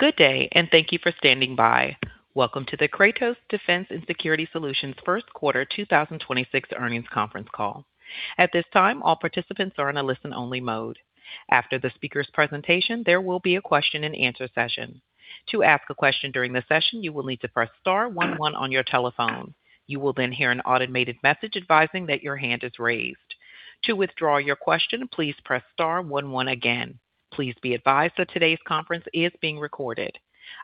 Good day, and thank you for standing by. Welcome to the Kratos Defense & Security Solutions first quarter 2026 earnings conference call.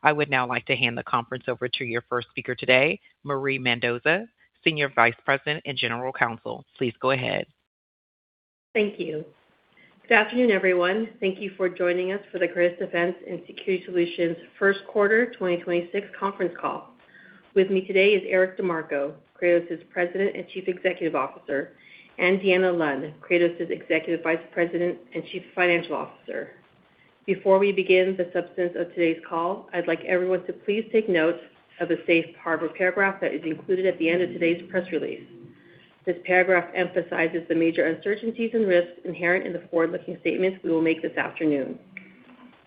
I would now like to hand the conference over to your first speaker today, Marie Mendoza, Senior Vice President and General Counsel. Please go ahead. Thank you. Good afternoon, everyone. Thank you for joining us for the Kratos Defense & Security Solutions first quarter 2026 conference call. With me today is Eric DeMarco, Kratos's President and Chief Executive Officer, and Deanna Lund, Kratos's Executive Vice President and Chief Financial Officer. Before we begin the substance of today's call, I'd like everyone to please take note of the safe harbor paragraph that is included at the end of today's press release. This paragraph emphasizes the major uncertainties and risks inherent in the forward-looking statements we will make this afternoon.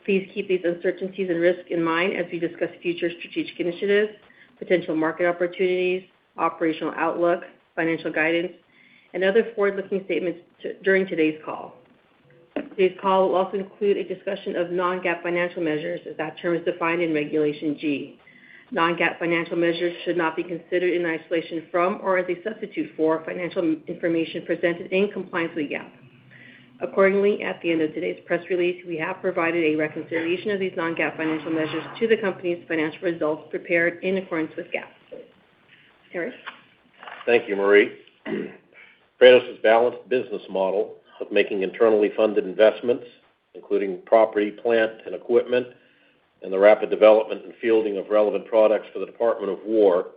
Please keep these uncertainties and risks in mind as we discuss future strategic initiatives, potential market opportunities, operational outlook, financial guidance, and other forward-looking statements during today's call. Today's call will also include a discussion of non-GAAP financial measures as that term is defined in Regulation G. Non-GAAP financial measures should not be considered in isolation from or as a substitute for financial information presented in compliance with GAAP. Accordingly, at the end of today's press release, we have provided a reconciliation of these non-GAAP financial measures to the company's financial results prepared in accordance with GAAP. Eric. Thank you, Marie. Kratos's balanced business model of making internally funded investments, including property, plant, and equipment, and the rapid development and fielding of relevant products for the Department of War,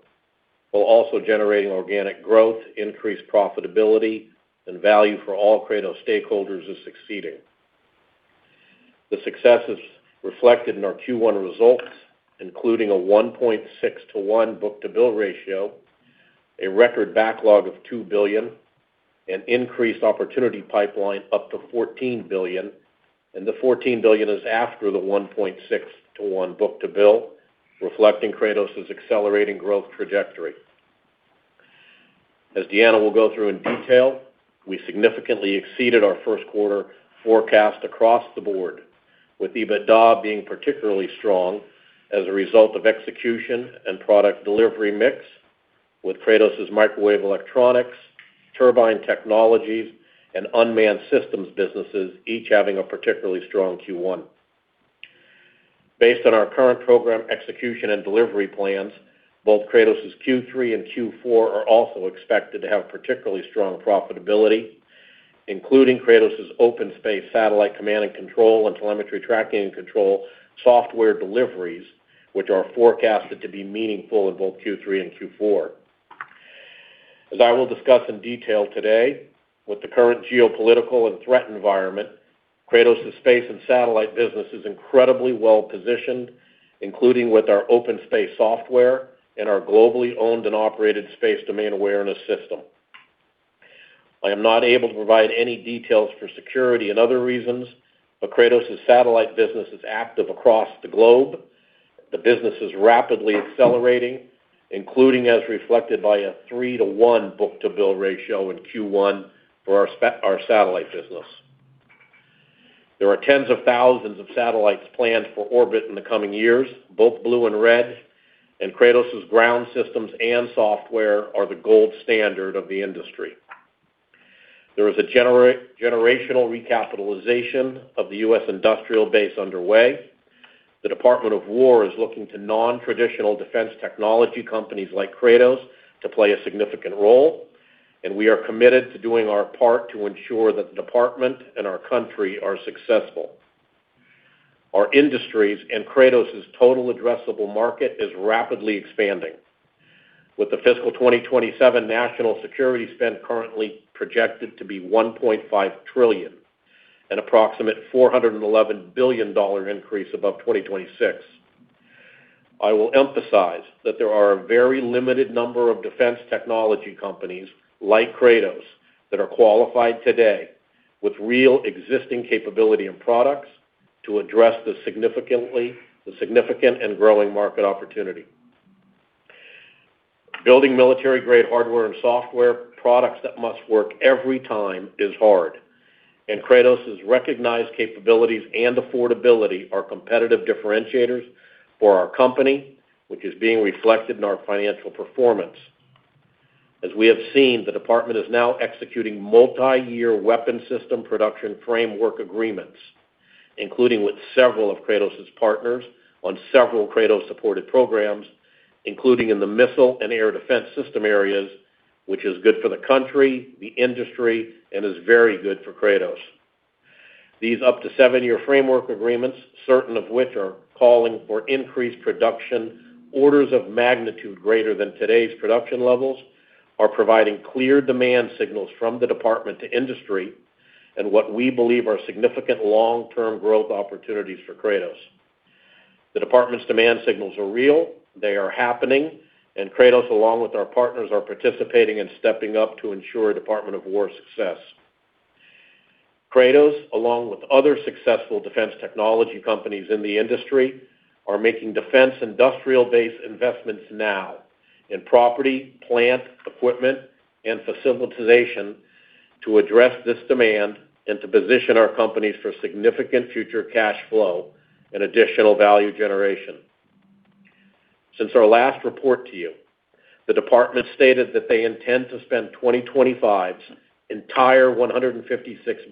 while also generating organic growth, increased profitability, and value for all Kratos stakeholders is succeeding. The success is reflected in our Q1 results, including a 1.6 to 1 book-to-bill ratio, a record backlog of $2 billion, an increased opportunity pipeline up to $14 billion, and the $14 billion is after the 1.6 to 1 book-to-bill, reflecting Kratos's accelerating growth trajectory. As Deanna will go through in detail, we significantly exceeded our first quarter forecast across the board, with EBITDA being particularly strong as a result of execution and product delivery mix, with Kratos's Microwave Electronics, Turbine Technologies, and Unmanned Systems businesses each having a particularly strong Q1. Based on our current program execution and delivery plans, both Kratos's Q3 and Q4 are also expected to have particularly strong profitability, including Kratos's OpenSpace satellite command and control and telemetry tracking and control software deliveries, which are forecasted to be meaningful in both Q3 and Q4. As I will discuss in detail today, with the current geopolitical and threat environment, Kratos's space and satellite business is incredibly well-positioned, including with our OpenSpace software and our globally owned and operated space domain awareness system. I am not able to provide any details for security and other reasons. Kratos's satellite business is active across the globe. The business is rapidly accelerating, including as reflected by a 3:1 book-to-bill ratio in Q1 for our satellite business. There are tens of thousands of satellites planned for orbit in the coming years, both blue and red, and Kratos's ground systems and software are the gold standard of the industry. There is a generational recapitalization of the U.S. industrial base underway. The Department of War is looking to non-traditional defense technology companies like Kratos to play a significant role. We are committed to doing our part to ensure that the department and our country are successful. Our industries and Kratos's total addressable market is rapidly expanding. With the fiscal 2027 national security spend currently projected to be $1.5 trillion, an approximate $411 billion increase above 2026. I will emphasize that there are a very limited number of defense technology companies like Kratos that are qualified today with real existing capability and products to address the significant and growing market opportunity. Building military-grade hardware and software products that must work every time is hard. Kratos's recognized capabilities and affordability are competitive differentiators for our company, which is being reflected in our financial performance. As we have seen, the department is now executing multi-year weapon system production framework agreements, including with several of Kratos's partners on several Kratos-supported programs, including in the missile and air defense system areas, which is good for the country, the industry, and is very good for Kratos. These up to seven-year framework agreements, certain of which are calling for increased production orders of magnitude greater than today's production levels, are providing clear demand signals from the department to industry and what we believe are significant long-term growth opportunities for Kratos. The department's demand signals are real, they are happening. Kratos, along with our partners, are participating and stepping up to ensure Department of Defense success. Kratos, along with other successful defense technology companies in the industry, are making defense industrial-based investments now in property, plant, equipment, and facilitization to address this demand and to position our companies for significant future cash flow and additional value generation. Since our last report to you, the department stated that they intend to spend 2025's entire $156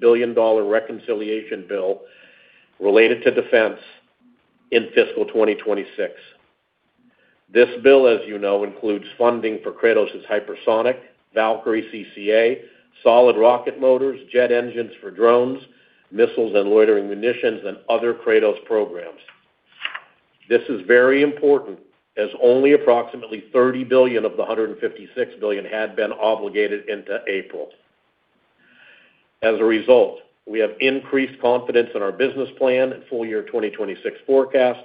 billion reconciliation bill related to defense in fiscal 2026. This bill, as you know, includes funding for Kratos' Hypersonic, Valkyrie CCA, solid rocket motors, jet engines for drones, missiles and loitering munitions, and other Kratos programs. This is very important as only approximately $30 billion of the $156 billion had been obligated into April. We have increased confidence in our business plan full year 2026 forecast,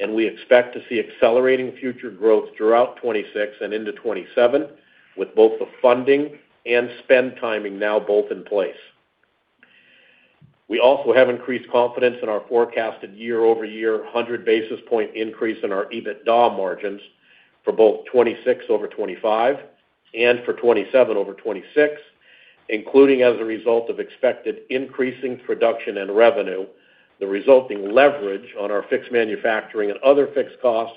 and we expect to see accelerating future growth throughout 2026 and into 2027, with both the funding and spend timing now both in place. We also have increased confidence in our forecasted year-over-year 100 basis point increase in our EBITDA margins for both 2026 over 2025 and for 2027 over 2026, including as a result of expected increasing production and revenue, the resulting leverage on our fixed manufacturing and other fixed costs,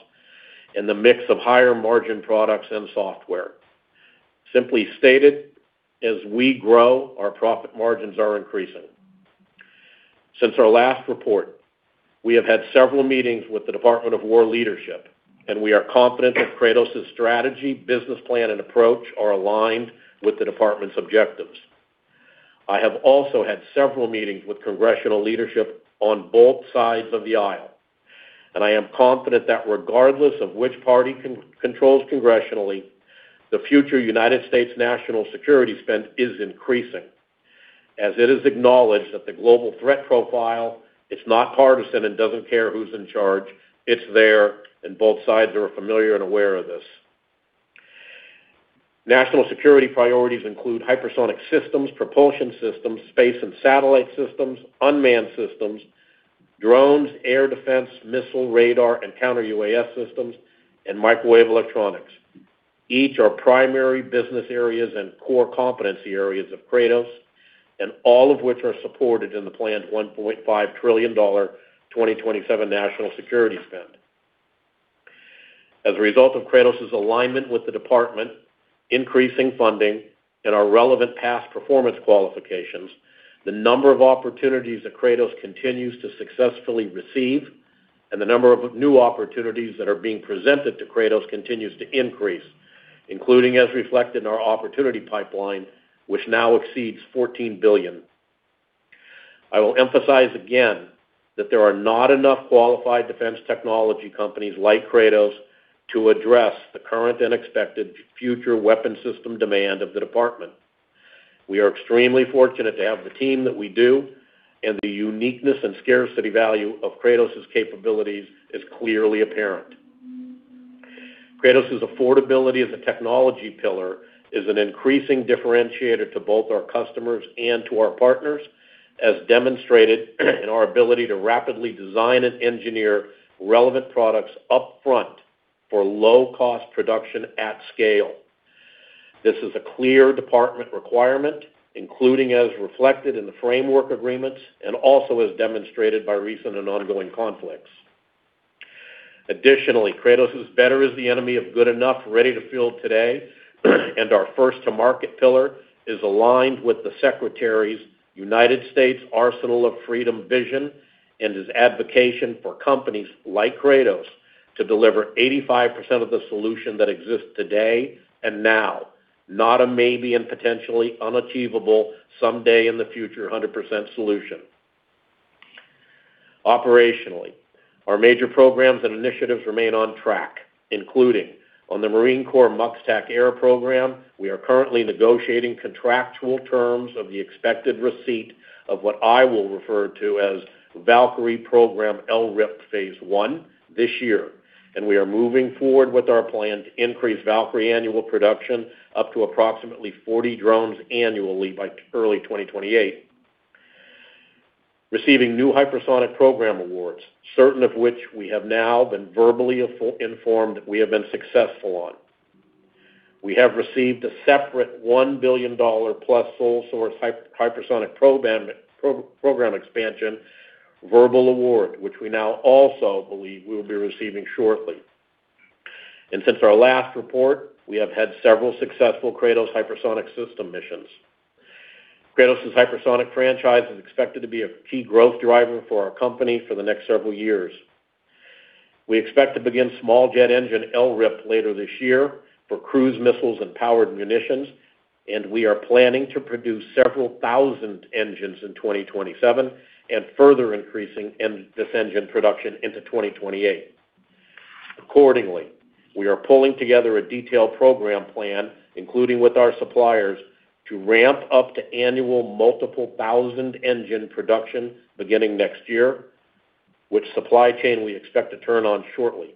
and the mix of higher-margin products and software. Simply stated, as we grow, our profit margins are increasing. Since our last report, we have had several meetings with the United States Department of Defense leadership, and we are confident that Kratos' strategy, business plan, and approach are aligned with the department's objectives. I have also had several meetings with congressional leadership on both sides of the aisle, and I am confident that regardless of which party controls congressionally, the future U.S. national security spend is increasing, as it is acknowledged that the global threat profile, it's not partisan and doesn't care who's in charge. It's there, and both sides are familiar and aware of this. National security priorities include hypersonic systems, propulsion systems, space and satellite systems, unmanned systems, drones, air defense, missile, radar, and Counter-UAS systems, and microwave electronics. Each are primary business areas and core competency areas of Kratos, all of which are supported in the planned $1.5 trillion 2027 national security spend. As a result of Kratos' alignment with the department, increasing funding, and our relevant past performance qualifications, the number of opportunities that Kratos continues to successfully receive and the number of new opportunities that are being presented to Kratos continues to increase, including as reflected in our opportunity pipeline, which now exceeds $14 billion. I will emphasize again that there are not enough qualified defense technology companies like Kratos to address the current and expected future weapon system demand of the department. We are extremely fortunate to have the team that we do, the uniqueness and scarcity value of Kratos' capabilities is clearly apparent. Kratos' affordability as a technology pillar is an increasing differentiator to both our customers and to our partners, as demonstrated in our ability to rapidly design and engineer relevant products up front for low-cost production at scale. This is a clear department requirement, including as reflected in the framework agreements and also as demonstrated by recent and ongoing conflicts. Additionally, Kratos' better is the enemy of good enough, ready to field today, and our first-to-market pillar is aligned with the secretary's United States Arsenal of Freedom vision and his advocation for companies like Kratos to deliver 85% of the solution that exists today and now, not a maybe and potentially unachievable someday in the future 100% solution. Operationally, our major programs and initiatives remain on track, including on the Marine Corps MUX TACAIR program. We are currently negotiating contractual terms of the expected receipt of what I will refer to as Valkyrie program LRIP phase I this year, and we are moving forward with our plan to increase Valkyrie annual production up to approximately 40 drones annually by early 2028. Receiving new hypersonic program awards, certain of which we have now been verbally informed we have been successful on. We have received a separate $1 billion plus sole source hypersonic program expansion verbal award, which we now also believe we'll be receiving shortly. Since our last report, we have had several successful Kratos Hypersonic system missions. Kratos' Hypersonic franchise is expected to be a key growth driver for our company for the next several years. We expect to begin small jet engine LRIP later this year for cruise missiles and powered munitions. We are planning to produce several thousand engines in 2027 and further increasing this engine production into 2028. Accordingly, we are pulling together a detailed program plan, including with our suppliers, to ramp up to annual multiple thousand engine production beginning next year, which supply chain we expect to turn on shortly.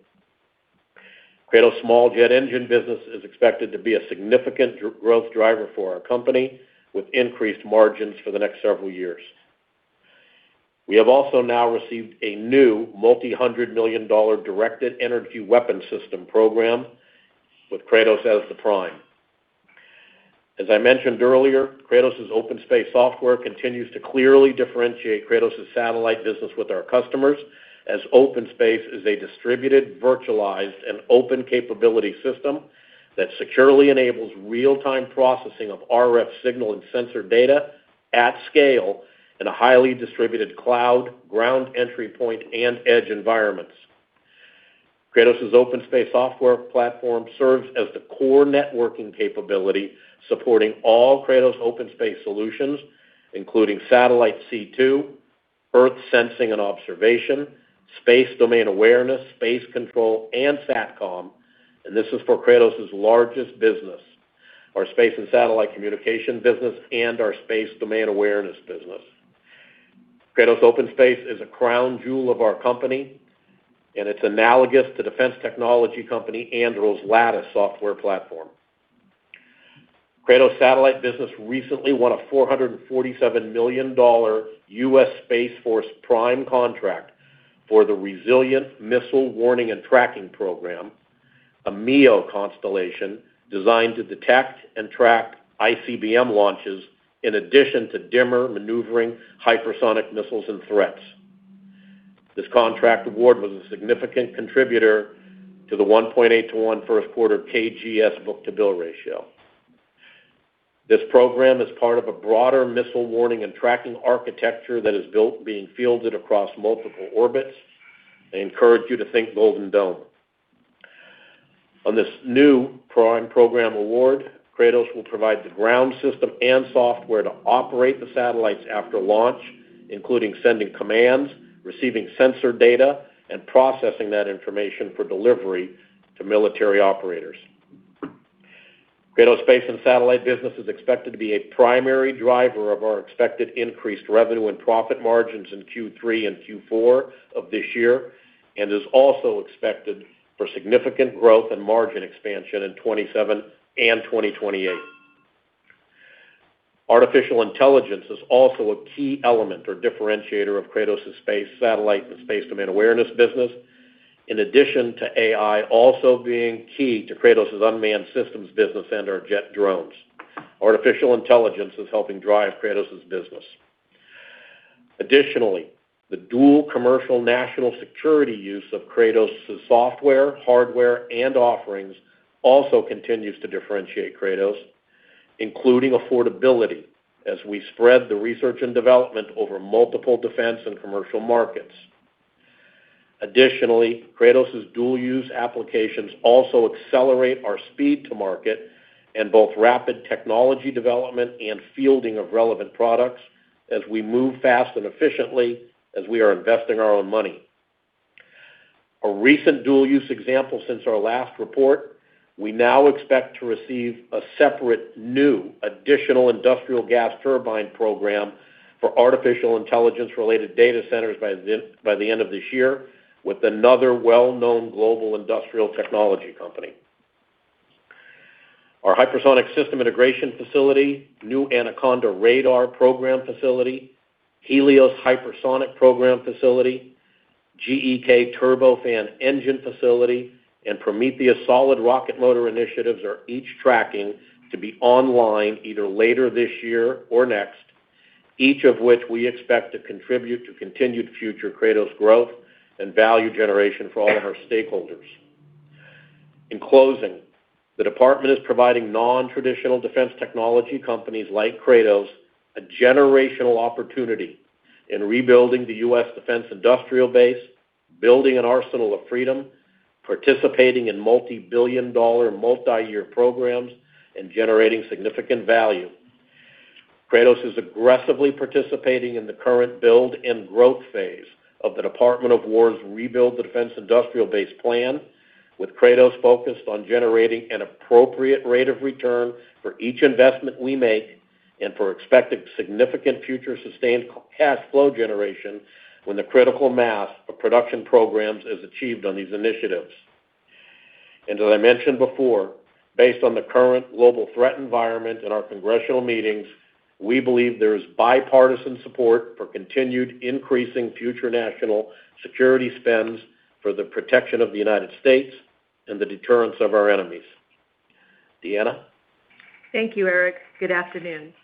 Kratos' small jet engine business is expected to be a significant growth driver for our company with increased margins for the next several years. We have also now received a new multi-hundred million dollar directed energy weapon system program with Kratos as the prime. As I mentioned earlier, Kratos' OpenSpace software continues to clearly differentiate Kratos' satellite business with our customers as OpenSpace is a distributed, virtualized, and open capability system that securely enables real-time processing of RF signal and sensor data at scale in a highly distributed cloud, ground entry point, and edge environments. Kratos' OpenSpace software platform serves as the core networking capability supporting all Kratos OpenSpace solutions, including satellite C2, earth sensing and observation, space domain awareness, space control, and SATCOM. This is for Kratos' largest business, our space and satellite communication business and our space domain awareness business. Kratos OpenSpace is a crown jewel of our company, and it's analogous to defense technology company Anduril's Lattice software platform. Kratos satellite business recently won a $447 million US Space Force prime contract for the Resilient Missile Warning and Tracking program, a MEO constellation designed to detect and track ICBM launches in addition to dimmer maneuvering, hypersonic missiles, and threats. This contract award was a significant contributor to the 1.8 to 1 first quarter KGS book-to-bill ratio. This program is part of a broader missile warning and tracking architecture that is built being fielded across multiple orbits. I encourage you to think Golden Dome. On this new prime program award, Kratos will provide the ground system and software to operate the satellites after launch, including sending commands, receiving sensor data, and processing that information for delivery to military operators. Kratos' space and satellite business is expected to be a primary driver of our expected increased revenue and profit margins in Q3 and Q4 of this year, and is also expected for significant growth and margin expansion in 2027 and 2028. Artificial intelligence is also a key element or differentiator of Kratos' space, satellite and space domain awareness business. In addition to AI also being key to Kratos' unmanned systems business and our jet drones. Artificial intelligence is helping drive Kratos' business. Additionally, the dual commercial national security use of Kratos' software, hardware, and offerings also continues to differentiate Kratos, including affordability as we spread the research and development over multiple defense and commercial markets. Additionally, Kratos' dual-use applications also accelerate our speed to market in both rapid technology development and fielding of relevant products as we move fast and efficiently as we are investing our own money. A recent dual-use example since our last report, we now expect to receive a separate new additional industrial gas turbine program for artificial intelligence-related data centers by the end of this year with another well-known global industrial technology company. Our hypersonic system integration facility, new Anaconda radar program facility, Helios hypersonic program facility, GEK turbofan engine facility, and Prometheus solid rocket motor initiatives are each tracking to be online either later this year or next, each of which we expect to contribute to continued future Kratos growth and value generation for all of our stakeholders. In closing, the department is providing non-traditional defense technology companies like Kratos a generational opportunity in rebuilding the U.S. Defense Industrial base, building an Arsenal of Freedom, participating in multi-billion dollar multi-year programs, and generating significant value. Kratos is aggressively participating in the current build and growth phase of the United States Department of Defense's Rebuild the Defense Industrial Base Plan, with Kratos focused on generating an appropriate rate of return for each investment we make and for expected significant future sustained cash flow generation when the critical mass of production programs is achieved on these initiatives. Based on the current global threat environment in our congressional meetings, we believe there is bipartisan support for continued increasing future national security spends for the protection of the United States and the deterrence of our enemies. Deanna? Thank you, Eric. Good afternoon.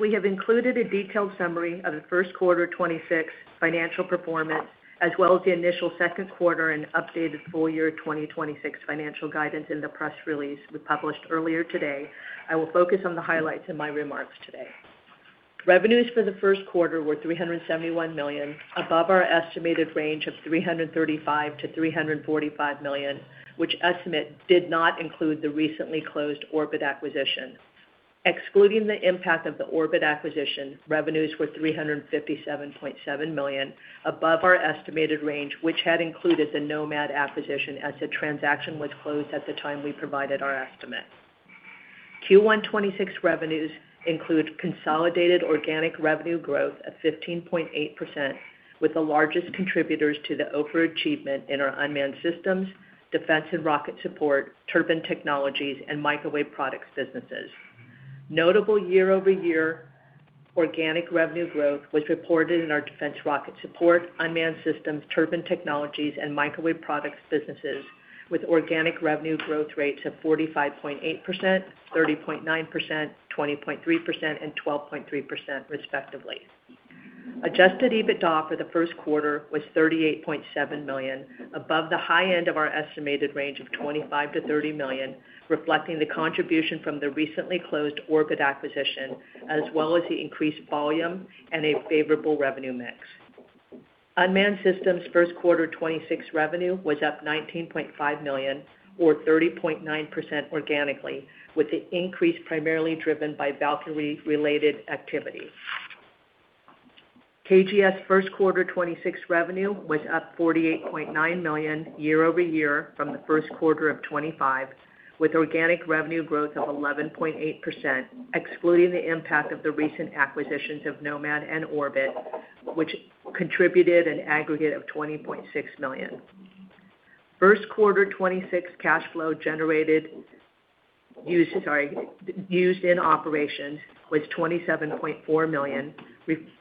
We have included a detailed summary of the first quarter 2026 financial performance, as well as the initial second quarter and updated full-year 2026 financial guidance in the press release we published earlier today, I will focus on the highlights in my remarks today. Revenues for the first quarter were $371 million, above our estimated range of $335 million-$345 million, which estimate did not include the recently closed Orbit acquisition. Excluding the impact of the Orbit acquisition, revenues were $357.7 million above our estimated range, which had included the Nomad acquisition as the transaction was closed at the time we provided our estimate. Q1 2026 revenues include consolidated organic revenue growth of 15.8%, with the largest contributors to the overachievement in our Unmanned Systems, Defense and Rocket Support, Turbine Technologies, and Microwave Products businesses. Notable year-over-year organic revenue growth was reported in our Defense and Rocket Support, Unmanned Systems, Turbine Technologies, and Microwave Products businesses, with organic revenue growth rates of 45.8%, 30.9%, 20.3%, and 12.3% respectively. Adjusted EBITDA for the first quarter was $38.7 million, above the high end of our estimated range of $25 million-$30 million, reflecting the contribution from the recently closed Orbit acquisition, as well as the increased volume and a favorable revenue mix. Unmanned Systems' first quarter 2026 revenue was up $19.5 million or 30.9% organically, with the increase primarily driven by Valkyrie-related activity. KGS first quarter 2026 revenue was up $48.9 million year-over-year from the first quarter of 2025, with organic revenue growth of 11.8%, excluding the impact of the recent acquisitions of Nomad and Orbit, which contributed an aggregate of $20.6 million. First quarter 2026 cash flow used in operations was $27.4 million,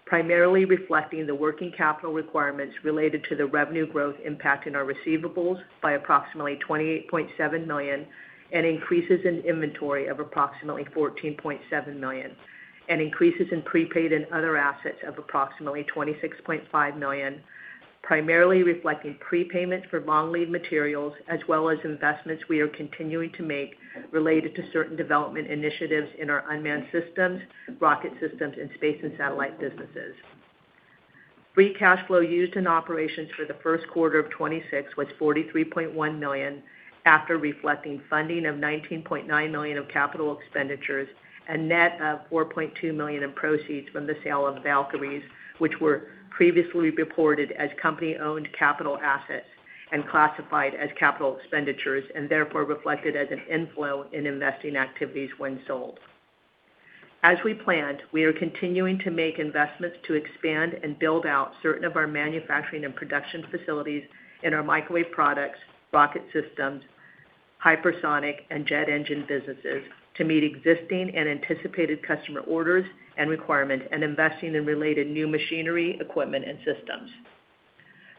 primarily reflecting the working capital requirements related to the revenue growth impact in our receivables by approximately $28.7 million, and increases in inventory of approximately $14.7 million, and increases in prepaid and other assets of approximately $26.5 million, primarily reflecting prepayment for long lead materials as well as investments we are continuing to make related to certain development initiatives in our unmanned systems, rocket systems, and space and satellite businesses. Free cash flow used in operations for the first quarter of 2026 was $43.1 million after reflecting funding of $19.9 million of capital expenditures and net of $4.2 million in proceeds from the sale of Valkyries, which were previously reported as company-owned capital assets and classified as capital expenditures, and therefore reflected as an inflow in investing activities when sold. As we planned, we are continuing to make investments to expand and build out certain of our manufacturing and production facilities in our microwave products, rocket systems, hypersonic and jet engine businesses to meet existing and anticipated customer orders and requirements and investing in related new machinery, equipment and systems.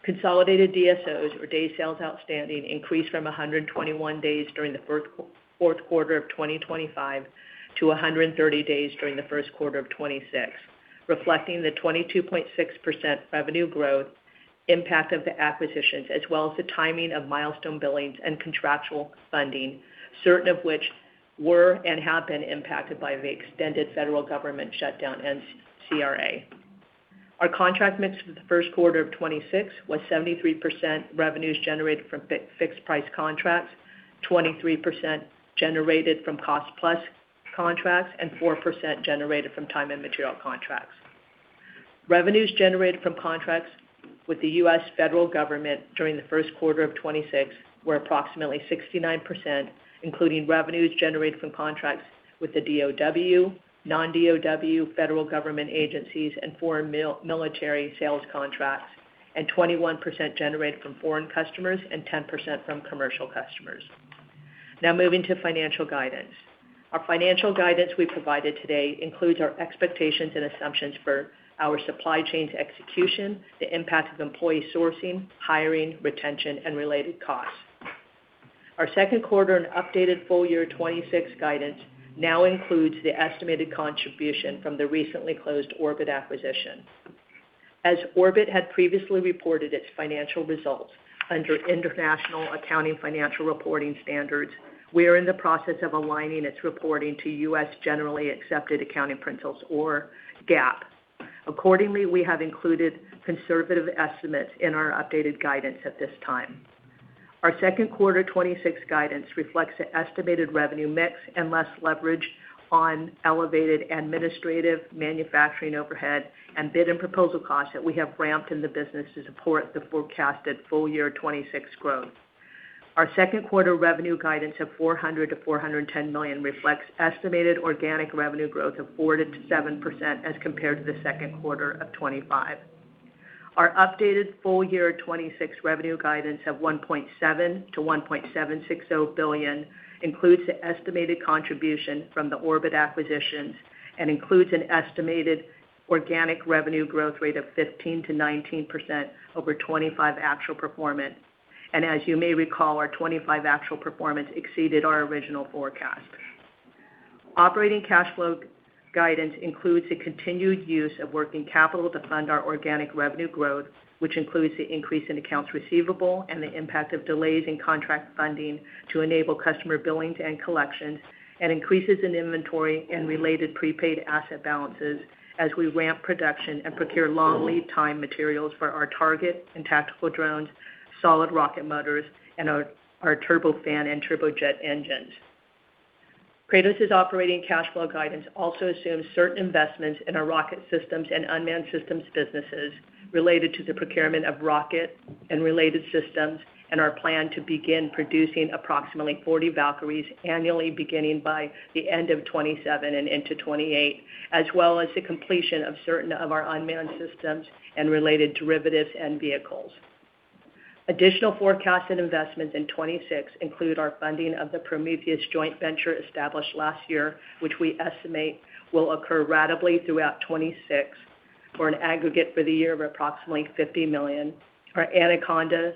Consolidated DSOs, or days sales outstanding, increased from 121 days during the fourth quarter of 2025 to 130 days during the first quarter of 2026, reflecting the 22.6% revenue growth impact of the acquisitions, as well as the timing of milestone billings and contractual funding, certain of which were and have been impacted by the extended federal government shutdown and CRA. Our contract mix for the first quarter of 2026 was 73% revenues generated from fixed price contracts, 23% generated from cost-plus contracts, and 4% generated from time and material contracts. Revenues generated from contracts with the U.S. federal government during the first quarter of 2026 were approximately 69%, including revenues generated from contracts with the DOD, non-DOD federal government agencies and foreign military sales contracts, and 21% generated from foreign customers and 10% from commercial customers. Now moving to financial guidance. Our financial guidance we provided today includes our expectations and assumptions for our supply chains execution, the impact of employee sourcing, hiring, retention, and related costs. Our second quarter and updated full year 2026 guidance now includes the estimated contribution from the recently closed Orbit acquisition. As Orbit had previously reported its financial results under International Financial Reporting Standards, we are in the process of aligning its reporting to U.S. generally accepted accounting principles or GAAP. Accordingly, we have included conservative estimates in our updated guidance at this time. Our second quarter 2026 guidance reflects the estimated revenue mix and less leverage on elevated administrative manufacturing overhead and bid and proposal costs that we have ramped in the business to support the forecasted full year 2026 growth. Our second quarter revenue guidance of $400 million-$410 million reflects estimated organic revenue growth of 4%-7% as compared to the second quarter of 2025. Our updated full year 2026 revenue guidance of $1.7 billion-$1.76 billion includes the estimated contribution from the Orbit acquisitions and includes an estimated organic revenue growth rate of 15%-19% over 2025 actual performance. As you may recall, our 2025 actual performance exceeded our original forecast. Operating cash flow guidance includes the continued use of working capital to fund our organic revenue growth, which includes the increase in accounts receivable and the impact of delays in contract funding to enable customer billings and collections, and increases in inventory and related prepaid asset balances as we ramp production and procure long lead time materials for our target and tactical drones, solid rocket motors, and our turbofan and turbojet engines. Kratos' operating cash flow guidance also assumes certain investments in our rocket systems and unmanned systems businesses related to the procurement of rocket and related systems, and our plan to begin producing approximately 40 Valkyries annually beginning by the end of 2027 and into 2028, as well as the completion of certain of our unmanned systems and related derivatives and vehicles. Additional forecasted investments in 2026 include our funding of the Prometheus joint venture established last year, which we estimate will occur ratably throughout 2026 for an aggregate for the year of approximately $50 million. Our Anaconda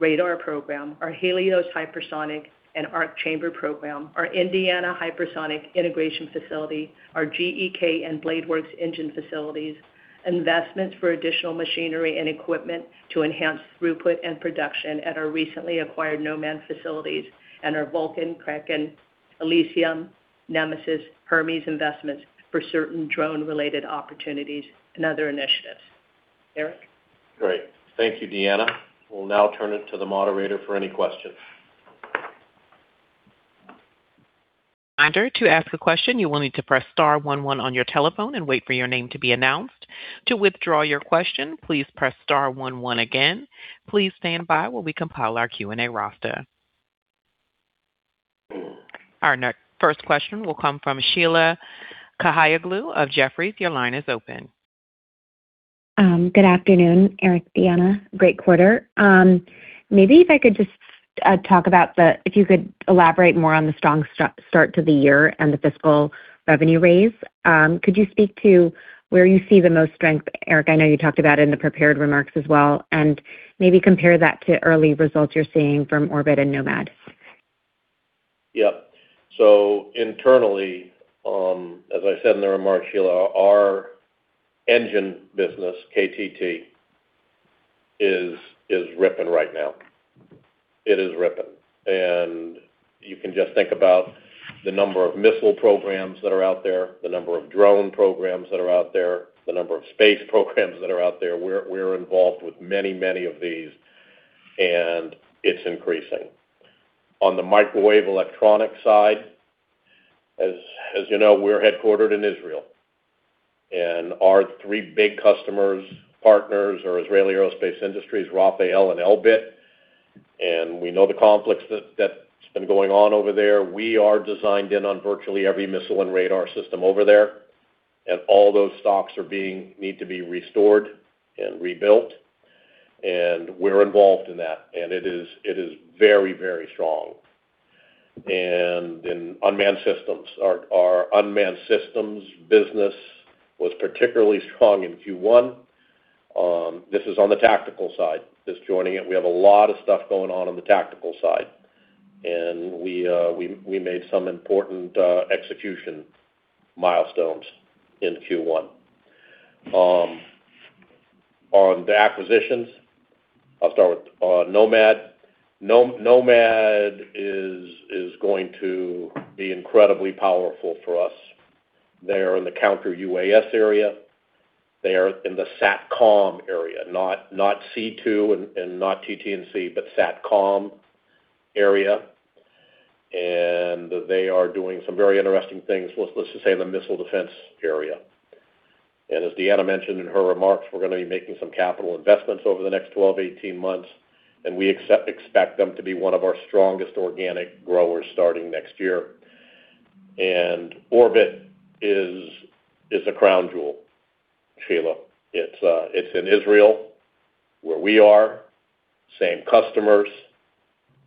radar program, our Helios hypersonic and Arc Chamber program, our Indiana hypersonic integration facility, our GEK and BladeWorks engine facilities, investments for additional machinery and equipment to enhance throughput and production at our recently acquired Nomad facilities and our Vulcan, Kraken, Elysium, Nemesis, Hermes investments for certain drone related opportunities and other initiatives. Eric? Great. Thank you, Deanna. We'll now turn it to the moderator for any questions. Our first question will come from Sheila Kahyaoglu of Jefferies. Your line is open. Good afternoon, Eric, Deanna. Great quarter. Maybe if I could just talk about if you could elaborate more on the strong start to the year and the fiscal revenue raise. Could you speak to where you see the most strength, Eric? I know you talked about it in the prepared remarks as well, and maybe compare that to early results you're seeing from Orbit and Nomad. Yeah. Internally, as I said in the remarks, Sheila, our engine business, KTT, is ripping right now. It is ripping. You can just think about the number of missile programs that are out there, the number of drone programs that are out there, the number of space programs that are out there. We're involved with many, many of these, and it's increasing. On the microwave electronic side, as you know, we're headquartered in Israel, and our three big customers, partners, are Israeli Aerospace Industries, Rafael, and Elbit. We know the conflicts that's been going on over there. We are designed in on virtually every missile and radar system over there. All those stocks need to be restored and rebuilt. We're involved in that. It is very, very strong. In unmanned systems. Our Unmanned Systems business was particularly strong in Q1. This is on the tactical side, this joining it. We have a lot of stuff going on the tactical side. We made some important execution milestones in Q1. On the acquisitions, I'll start with Nomad. Nomad is going to be incredibly powerful for us. They are in the Counter-UAS area. They are in the SATCOM area, not C2 and not TT&C, but SATCOM area. They are doing some very interesting things, let's just say in the missile defense area. As Deanna mentioned in her remarks, we're gonna be making some capital investments over the next 12 to 18 months, and we expect them to be one of our strongest organic growers starting next year. Orbit is a crown jewel, Sheila. It's in Israel, where we are. Same customers,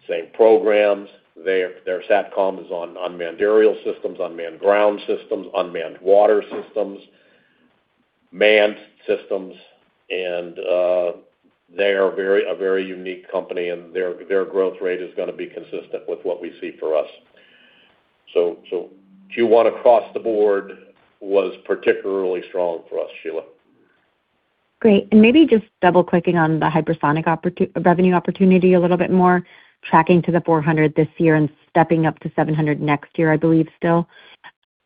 same programs. Their SATCOM is on unmanned aerial systems, unmanned ground systems, unmanned water systems, manned systems, and they are a very unique company, and their growth rate is gonna be consistent with what we see for us. Q1 across the board was particularly strong for us, Sheila. Great. Maybe just double-clicking on the hypersonic revenue opportunity a little bit more, tracking to the $400 this year and stepping up to $700 next year, I believe still.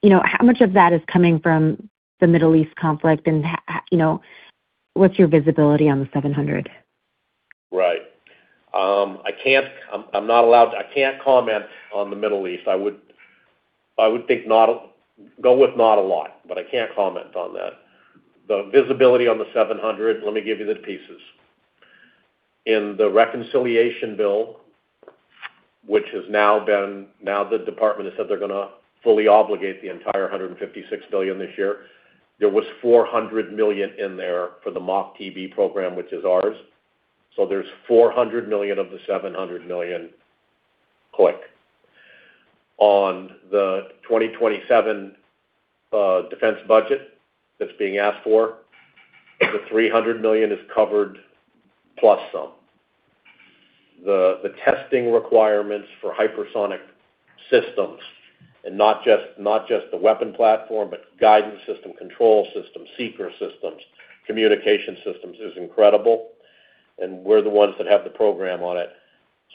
You know, how much of that is coming from the Middle East conflict? You know, what's your visibility on the $700? Right. I can't comment on the Middle East. I would think not a lot, but I can't comment on that. The visibility on the $700 million, let me give you the pieces. In the reconciliation bill, now the department has said they're gonna fully obligate the entire $156 billion this year. There was $400 million in there for the MACH-TB program, which is ours. So there's $400 million of the $700 million quick. On the 2027 defense budget that's being asked for, the $300 million is covered plus some. The testing requirements for hypersonic systems, and not just the weapon platform, but guidance system, control system, seeker systems, communication systems, is incredible. We're the ones that have the program on it.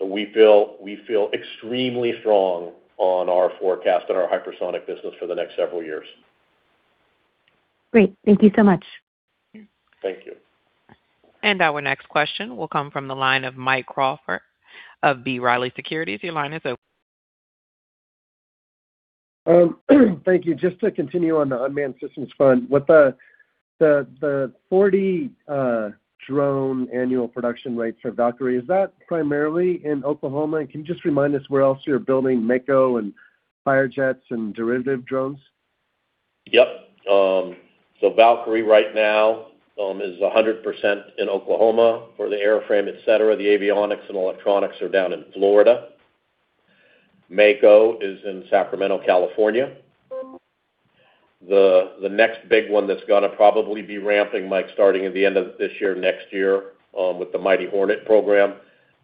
We feel extremely strong on our forecast in our hypersonic business for the next several years. Great. Thank you so much. Thank you. Our next question will come from the line of Mike Crawford of B. Riley Securities. Your line is open. Thank you. Just to continue on the unmanned systems fund. With the 40 drone annual production rates for Valkyrie, is that primarily in Oklahoma? And can you just remind us where else you're building Mako and Firejets and derivative drones? Yep. Valkyrie right now is 100% in Oklahoma for the airframe, et cetera. The avionics and electronics are down in Florida. Mako is in Sacramento, California. The next big one that's gonna probably be ramping, Mike, starting at the end of this year, next year, with the Mighty Hornet program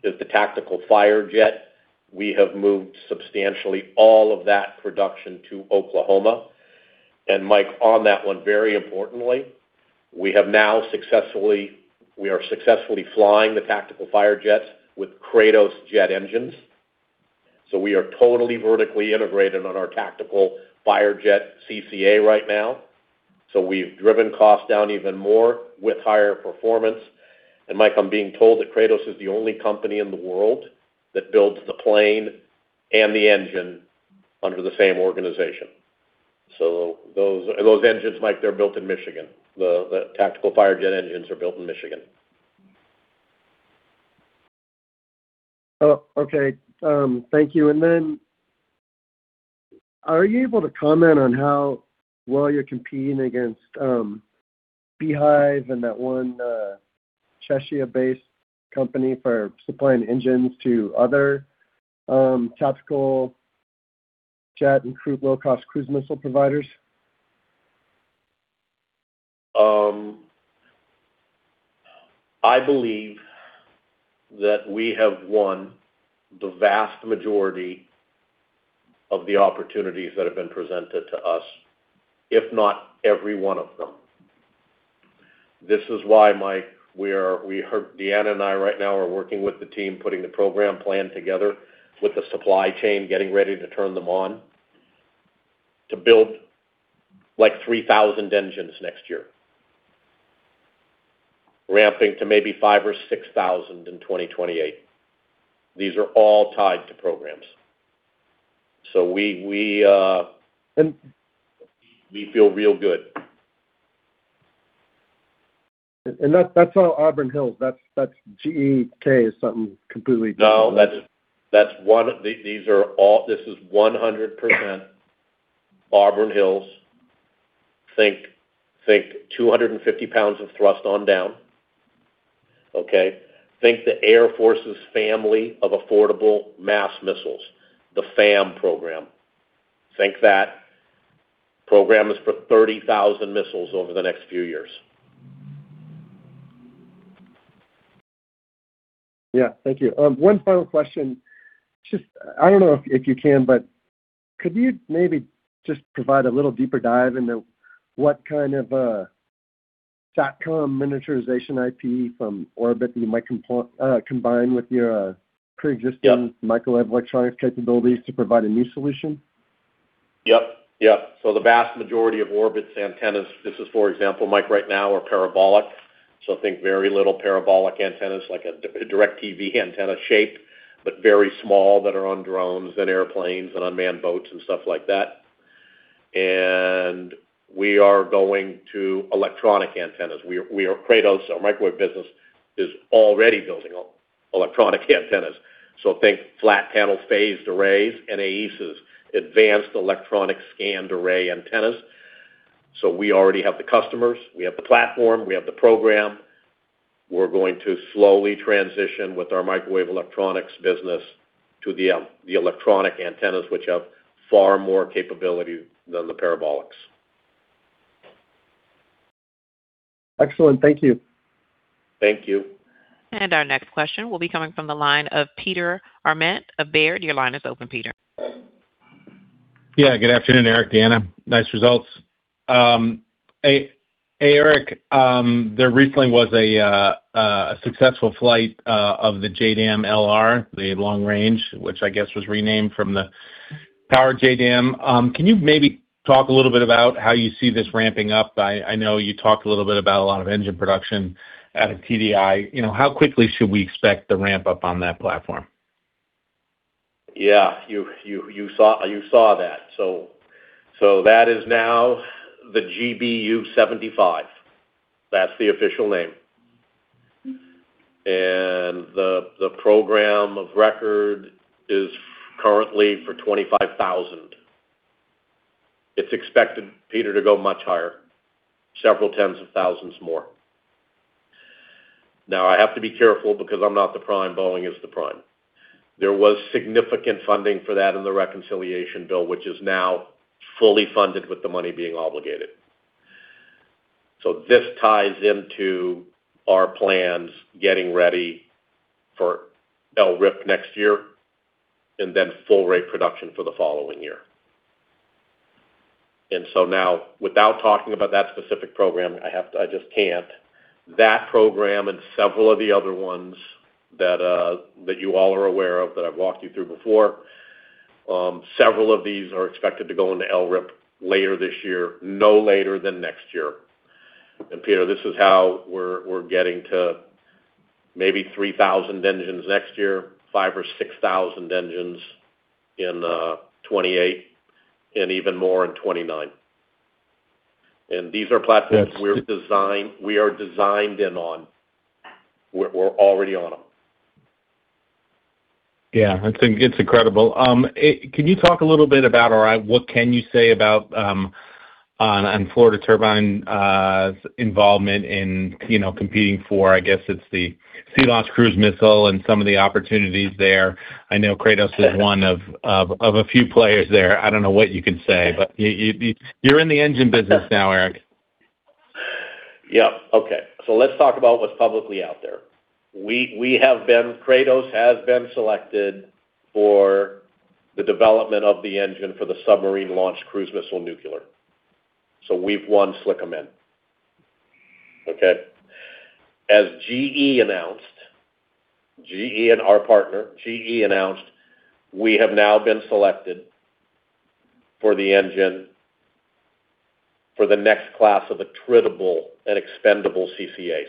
is the Tactical Firejet. We have moved substantially all of that production to Oklahoma. Mike, on that one, very importantly, we are successfully flying the Tactical Firejets with Kratos jet engines. We are totally vertically integrated on our Tactical Firejet CCA right now. We've driven costs down even more with higher performance. Mike, I'm being told that Kratos is the only company in the world that builds the plane and the engine under the same organization. Those engines, Mike, they're built in Michigan. The Tactical Firejet engines are built in Michigan. Oh, okay. Thank you. Are you able to comment on how well you're competing against Beehive and that one Cheshire-based company for supplying engines to other tactical jet and crewed low-cost cruise missile providers? I believe that we have won the vast majority of the opportunities that have been presented to us, if not every one of them. This is why, Mike, Deanna and I right now are working with the team, putting the program plan together with the supply chain, getting ready to turn them on to build, like, 3,000 engines next year, ramping to maybe 5,000 or 6,000 in 2028. These are all tied to programs. We feel real good. That, that's all Auburn Hills. That's GEK is something completely different. No, that's one. These are all. This is 100% Auburn Hills. Think 250 pounds of thrust on down, okay? Think the Air Force's family of affordable mass missiles, the FAM program. Think that program is for 30,000 missiles over the next few years. Yeah. Thank you. One final question. Just, I don't know if you can, but could you maybe just provide a little deeper dive into what kind of a SATCOM miniaturization IP from Orbit you might combine with your pre-existing- Yeah. microwave electronics capabilities to provide a new solution? Yep. The vast majority of Orbit's antennas, for example, Mike, right now are parabolic. Think very little parabolic antennas, like a DIRECTV antenna shape, but very small, that are on drones and airplanes and unmanned boats and stuff like that. We are going to electronic antennas. Kratos, our microwave business, is already building electronic antennas. Think flat panel phased arrays and AESA's advanced electronically scanned array antennas. We already have the customers, we have the platform, we have the program. We're going to slowly transition with our microwave electronics business to the electronic antennas, which have far more capability than the parabolics. Excellent. Thank you. Thank you. Our next question will be coming from the line of Peter Arment of Baird. Your line is open, Peter. Yeah. Good afternoon, Eric, Deanna. Nice results. Hey Eric, there recently was a successful flight of the JDAM-LR, the long range, which I guess was renamed from the Powered JDAM. Can you maybe talk a little bit about how you see this ramping up? I know you talked a little bit about a lot of engine production out of TDI. You know, how quickly should we expect the ramp-up on that platform? Yeah. You saw that. That is now the GBU-75. That's the official name. The program of record is currently for 25,000. It's expected, Peter, to go much higher, several tens of thousands more. Now, I have to be careful because I'm not the prime. Boeing is the prime. There was significant funding for that in the reconciliation bill, which is now fully funded with the money being obligated. This ties into our plans getting ready for LRIP next year and then full rate production for the following year. Now, without talking about that specific program, I have to. I just can't. That program and several of the other ones that that you all are aware of, that I've walked you through before. Several of these are expected to go into LRIP later this year, no later than next year. Peter, this is how we're getting to maybe 3,000 engines next year, 5,000 or 6,000 engines in 2028, and even more in 2029. These are platforms we are designed in on. We're already on them. Yeah. It's incredible. Can you talk a little bit about, or what can you say about, on Florida Turbine involvement in, you know, competing for, I guess, it's the Sea-Launched Cruise Missile and some of the opportunities there. I know Kratos is one of a few players there. I don't know what you can say, but you're in the engine business now, Eric. Yeah. Okay. Let's talk about what's publicly out there. Kratos has been selected for the development of the engine for the submarine launch cruise missile nuclear. We've won SLCM-N. Okay? As GE announced, GE and our partner announced we have now been selected for the engine for the next class of attritable and expendable CCAs.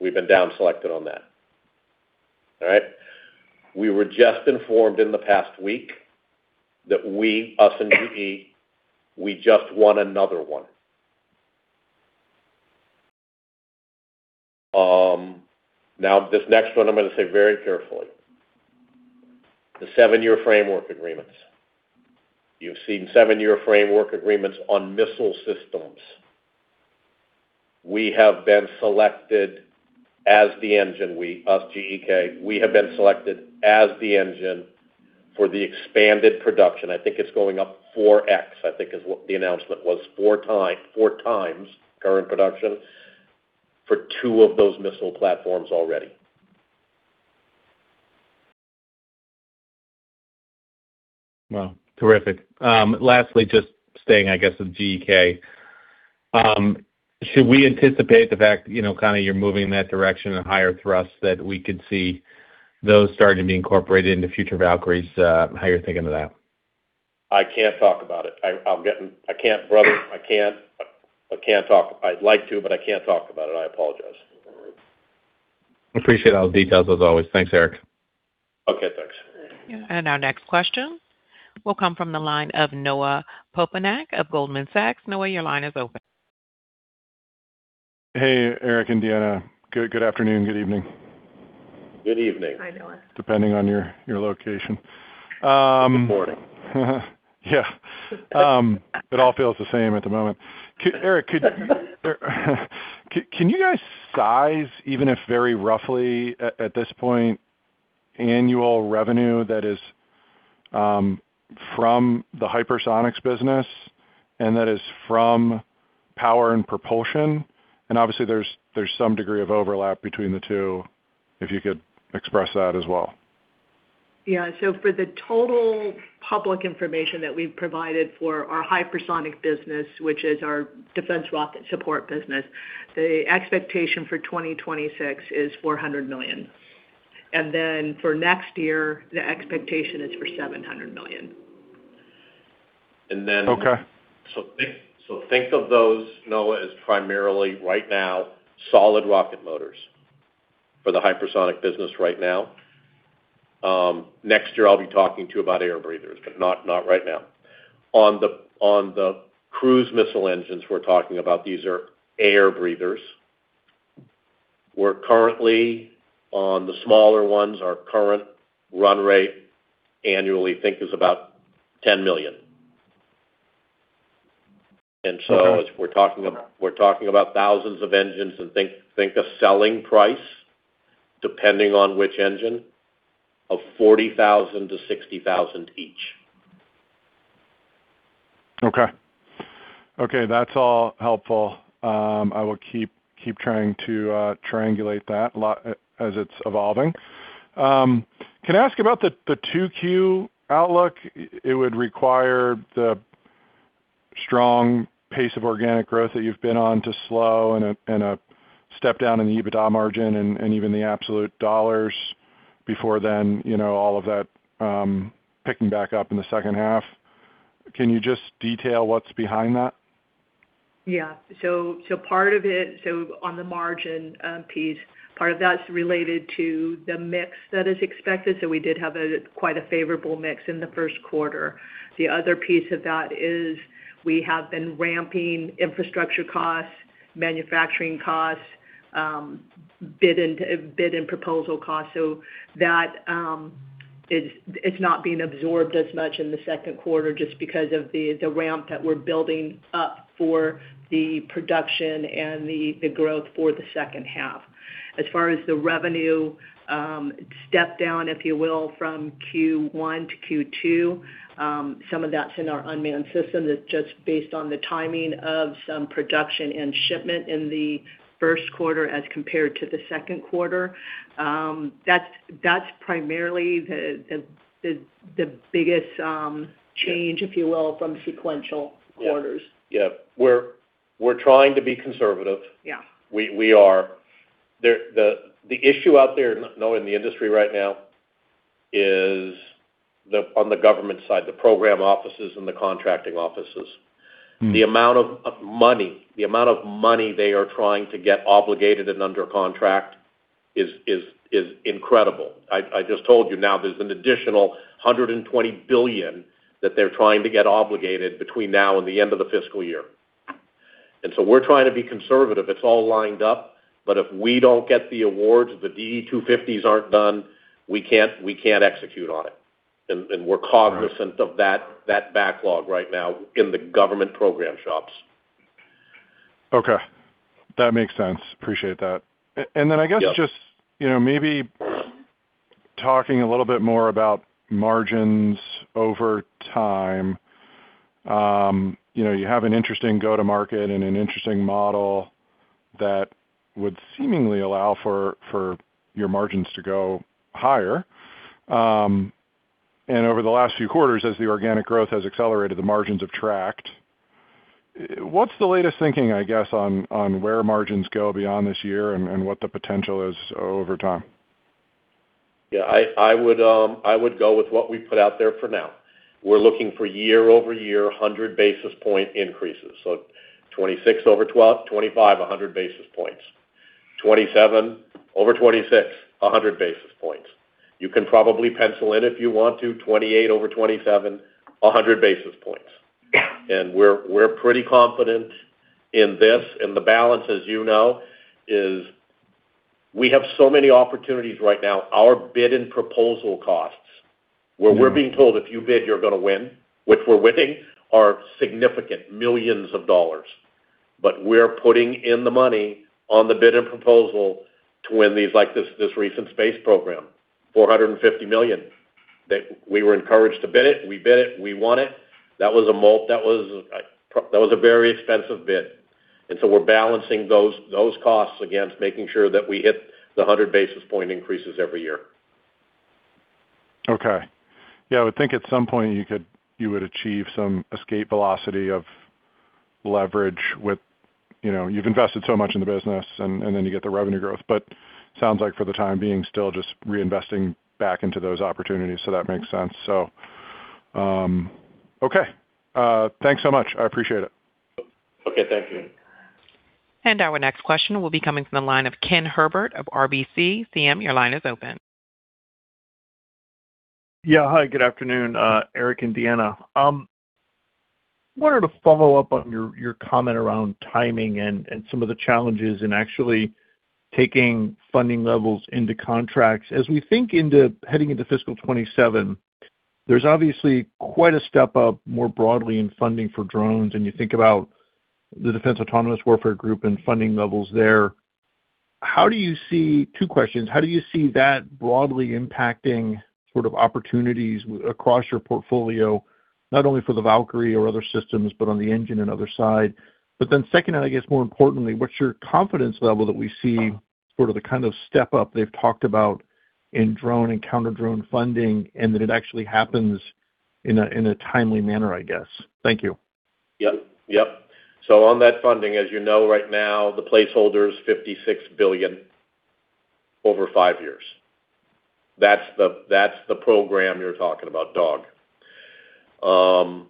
We've been down selected on that. All right? We were just informed in the past week that us and GE just won another one. Now this next one I'm gonna say very carefully. The seven-year framework agreements. You've seen seven-year framework agreements on missile systems. We have been selected as the engine, us GEK have been selected as the engine for the expanded production. I think it's going up 4x, I think is what the announcement was. 4x current production for two of those missile platforms already. Wow. Terrific. Lastly, just staying, I guess, with GEK, should we anticipate the fact, you know, kind of you're moving in that direction and higher thrust that we could see those starting to be incorporated into future Valkyries, how you're thinking of that? I can't talk about it. I can't, brother, I can't. I can't talk. I'd like to, but I can't talk about it. I apologize. Appreciate all the details as always. Thanks, Eric. Okay, thanks. Our next question will come from the line of Noah Poponak of Goldman Sachs. Noah, your line is open. Hey, Eric and Deanna. Good afternoon, good evening. Good evening. Hi, Noah. Depending on your location. Good morning. Yeah. It all feels the same at the moment. Eric, could you guys size, even if very roughly at this point, annual revenue that is from the hypersonics business and that is from power and propulsion? Obviously, there's some degree of overlap between the two, if you could express that as well. Yeah. For the total public information that we've provided for our hypersonic business, which is our defense rocket support business, the expectation for 2026 is $400 million. For next year, the expectation is for $700 million. Okay. Think of those, Noah, as primarily right now solid rocket motors for the hypersonic business right now. Next year, I'll be talking to you about air breathers, but not right now. On the cruise missile engines we're talking about, these are air breathers. We're currently on the smaller ones. Our current run rate annually is about $10 million. Okay. We're talking about thousands of engines. Think a selling price, depending on which engine, of $40,000-$60,000 each. Okay, that's all helpful. I will keep trying to triangulate that a lot as it's evolving. Can I ask about the 2Q outlook? It would require the strong pace of organic growth that you've been on to slow and a step down in the EBITDA margin and even the absolute dollars before then, you know, all of that picking back up in the second half. Can you just detail what's behind that? Yeah. Part of it, so on the margin piece, part of that's related to the mix that is expected. The other piece of that is we have been ramping infrastructure costs, manufacturing costs, bid and proposal costs. That, it's not being absorbed as much in the second quarter just because of the ramp that we're building up for the production and the growth for the second half. As far as the revenue, step down, if you will, from Q1 to Q2, some of that's in our unmanned systems. That's just based on the timing of some production and shipment in the first quarter as compared to the second quarter. That's primarily the biggest change, if you will, from sequential quarters. Yeah. Yeah. We're trying to be conservative. Yeah. We are. The issue out there in the industry right now is on the government side, the program offices and the contracting offices. The amount of money they are trying to get obligated and under contract is incredible. I just told you now there's an additional $120 billion that they're trying to get obligated between now and the end of the fiscal year. We're trying to be conservative. It's all lined up. If we don't get the awards, the DE-250s aren't done, we can't execute on it. We're cognizant- Right of that backlog right now in the government program shops. Okay. That makes sense. Appreciate that. Yeah. I guess just, you know, maybe talking a little bit more about margins over time. You know, you have an interesting go-to-market and an interesting model that would seemingly allow for your margins to go higher. Over the last few quarters, as the organic growth has accelerated, the margins have tracked. What's the latest thinking, I guess, on where margins go beyond this year and what the potential is over time? I would go with what we put out there for now. We're looking for year-over-year, 100 basis point increases. 2026 over 2025, 100 basis points. 2027 over 2026, 100 basis points. You can probably pencil in if you want to, 2028 over 2027, 100 basis points. We're pretty confident in this. The balance, as you know, is we have so many opportunities right now. Our bid and proposal costs. Where we're being told if you bid, you're gonna win, which we're winning, are significant, millions of dollars. But we're putting in the money on the bid and proposal to win these, like this recent space program, $450 million. That we were encouraged to bid it, we bid it, we won it. That was a very expensive bid. We're balancing those costs against making sure that we hit the 100 basis point increases every year. Okay. Yeah, I would think at some point you would achieve some escape velocity of leverage with, you know, you've invested so much in the business and then you get the revenue growth. Sounds like for the time being, still just reinvesting back into those opportunities. That makes sense. Okay. Thanks so much. I appreciate it. Okay. Thank you. Our next question will be coming from the line of Ken Herbert of RBC. Sam, your line is open. Yeah. Hi, good afternoon, Eric and Deanna. Wanted to follow up on your comment around timing and some of the challenges in actually taking funding levels into contracts. As we think into heading into fiscal 2027, there's obviously quite a step up more broadly in funding for drones. You think about the Defense Autonomous Warfare Group and funding levels there. How do you see two questions. How do you see that broadly impacting sort of opportunities across your portfolio, not only for the Valkyrie or other systems, but on the engine and other side? Then second, and I guess more importantly, what's your confidence level that we see sort of the kind of step up they've talked about in drone and counter drone funding, and that it actually happens in a timely manner, I guess? Thank you. On that funding, as you know right now, the placeholder is $56 billion over five years. That's the program you're talking about, DAWG.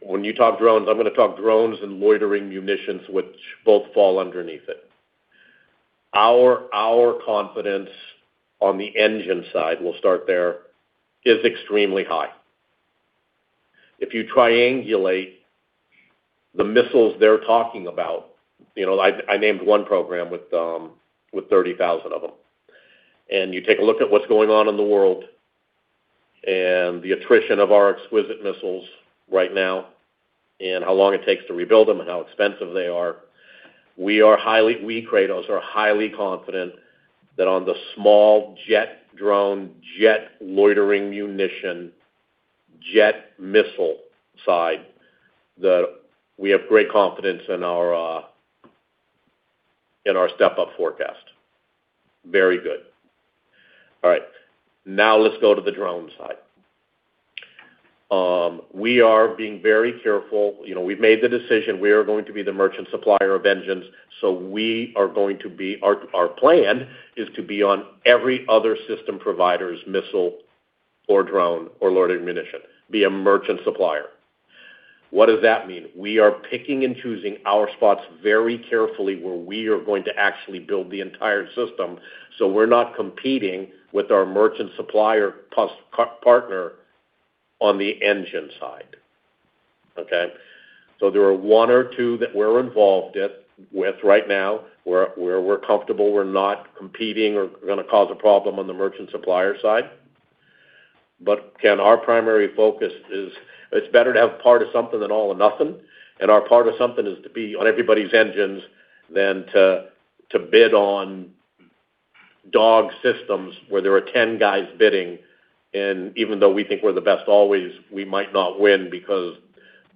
When you talk drones, I'm gonna talk drones and loitering munitions, which both fall underneath it. Our confidence on the engine side, we'll start there, is extremely high. If you triangulate the missiles they're talking about, you know, I named one program with 30,000 of them. You take a look at what's going on in the world, and the attrition of our exquisite missiles right now, and how long it takes to rebuild them, and how expensive they are. We at Kratos are highly confident that on the small jet drone, jet loitering munition, jet missile side, we have great confidence in our step-up forecast. Very good. All right, let's go to the drone side. We are being very careful. You know, we've made the decision we are going to be the merchant supplier of engines, we are going to be our plan is to be on every other system provider's missile or drone or loiter munition, be a merchant supplier. What does that mean? We are picking and choosing our spots very carefully where we are going to actually build the entire system, we're not competing with our merchant supplier partner on the engine side. Okay? There are one or two that we're involved at, with right now, where we're comfortable we're not competing or gonna cause a problem on the merchant supplier side. Ken, our primary focus is it's better to have part of something than all or nothing. Our part of something is to be on everybody's engines than to bid on DAWG systems where there are 10 guys bidding. Even though we think we're the best always, we might not win because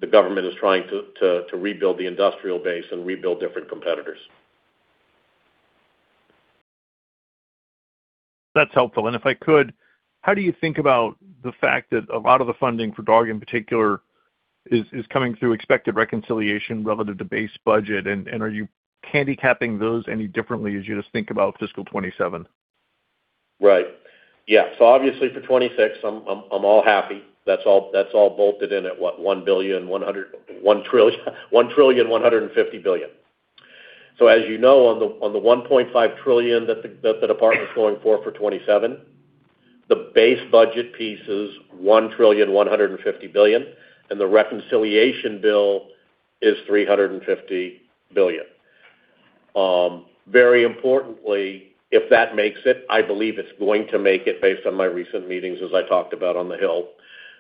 the government is trying to rebuild the industrial base and rebuild different competitors. That's helpful. If I could, how do you think about the fact that a lot of the funding for DAWG in particular is coming through expected reconciliation relative to base budget? Are you handicapping those any differently as you just think about fiscal 2027? Right. Yeah. Obviously for 2026, I'm all happy. That's all bolted in at, what, $1.15 trillion. As you know, on the $1.5 trillion that the department's going for for 2027, the base budget piece is $1.15 trillion, and the reconciliation bill is $350 billion. Very importantly, if that makes it, I believe it's going to make it based on my recent meetings, as I talked about on the Hill.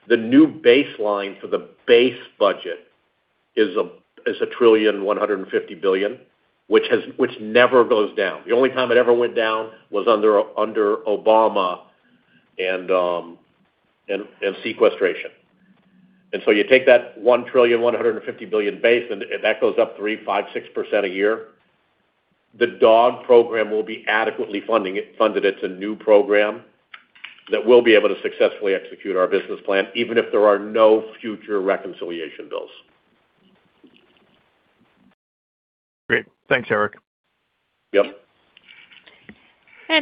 The new baseline for the base budget is $1.15 trillion, which never goes down. The only time it ever went down was under Obama and sequestration. You take that $1.15 trillion base, and that goes up 3%, 5%, 6% a year. The DAWG program will be adequately funded. It's a new program that we'll be able to successfully execute our business plan, even if there are no future reconciliation bills. Great. Thanks, Eric. Yep.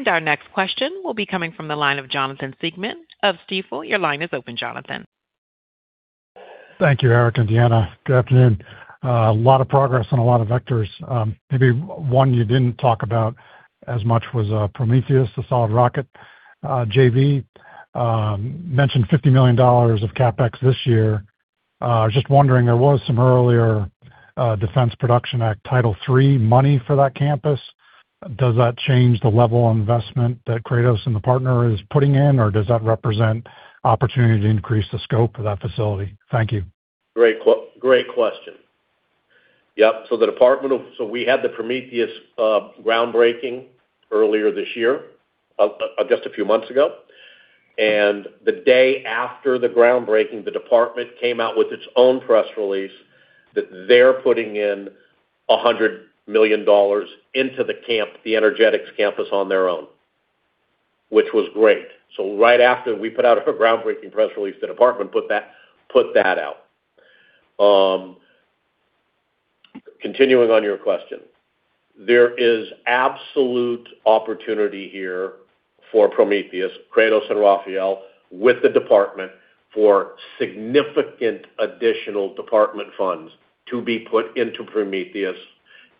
Our next question will be coming from the line of Jonathan Siegmann of Stifel. Your line is open, Jonathan. Thank you, Eric and Deanna. Good afternoon. A lot of progress on a lot of vectors. Maybe one you didn't talk about as much was Prometheus, the solid rocket JV. Mentioned $50 million of CapEx this year. I was just wondering, there was some earlier Defense Production Act Title III money for that campus. Does that change the level of investment that Kratos and the partner is putting in, or does that represent opportunity to increase the scope of that facility? Thank you. Great question. Yep. We had the Prometheus groundbreaking earlier this year, just a few months ago. The day after the groundbreaking, the department came out with its own press release that they're putting in $100 million into the campus, the energetics campus, on their own. Which was great. Right after we put out a groundbreaking press release, the department put that out. Continuing on your question. There is absolute opportunity here for Prometheus, Kratos and Rafael, with the department for significant additional department funds to be put into Prometheus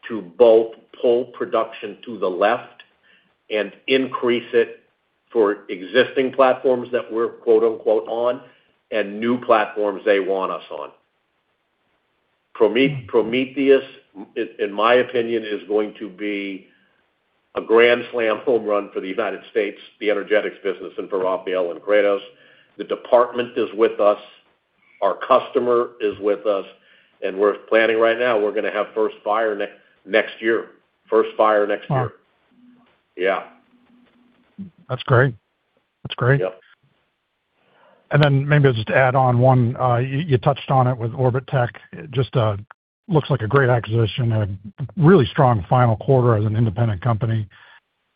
to both pull production to the left and increase it for existing platforms that we're, quote-unquote, "on" and new platforms they want us on. Prometheus, in my opinion, is going to be a grand slam home run for the United States, the energetics business, and for Rafael and Kratos. The department is with us, our customer is with us, and we're planning right now. We're gonna have first fire next year. All right. Yeah. That's great. That's great. Yep. Maybe just to add on one, you touched on it with Orbit Technologies. It just looks like a great acquisition and a really strong final quarter as an independent company.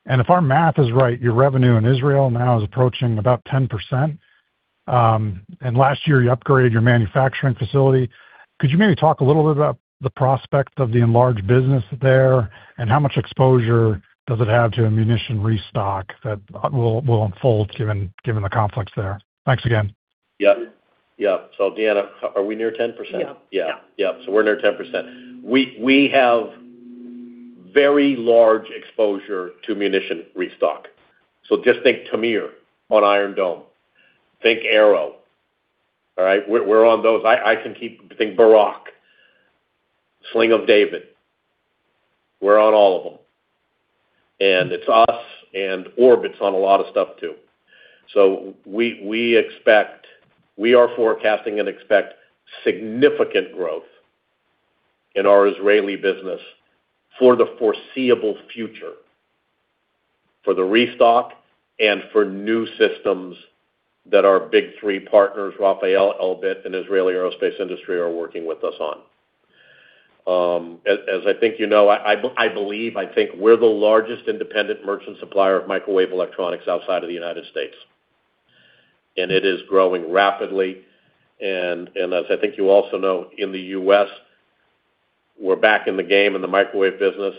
If our math is right, your revenue in Israel now is approaching about 10%. Last year, you upgraded your manufacturing facility. Could you maybe talk a little bit about the prospect of the enlarged business there and how much exposure does it have to ammunition restock that will unfold given the conflicts there? Thanks again. Yeah. Deanna, are we near 10%? Yeah. Yeah. We're near 10%. We have very large exposure to munition restock. Just think Tamir on Iron Dome. Think Arrow. All right? We're on those. I can keep thinking Barak, David's Sling. We're on all of them. It's us, and Orbit's on a lot of stuff too. We are forecasting and expect significant growth in our Israeli business for the foreseeable future, for the restock and for new systems that our big three partners, Rafael, Elbit, and Israel Aerospace Industries, are working with us on. As I think you know, I believe we're the largest independent merchant supplier of microwave electronics outside of the United States. It is growing rapidly. As I think you also know, in the U.S., we're back in the game in the microwave business.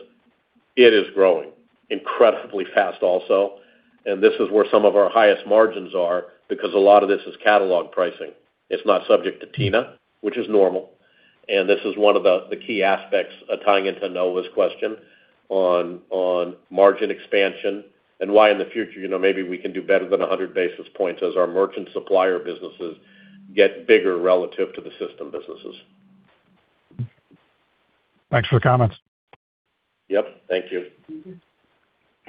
It is growing incredibly fast also. This is where some of our highest margins are because a lot of this is catalog pricing. It's not subject to TINA, which is normal. This is one of the key aspects tying into Noah Poponak's question on margin expansion and why in the future, you know, maybe we can do better than 100 basis points as our merchant supplier businesses get bigger relative to the system businesses. Thanks for the comments. Yep. Thank you.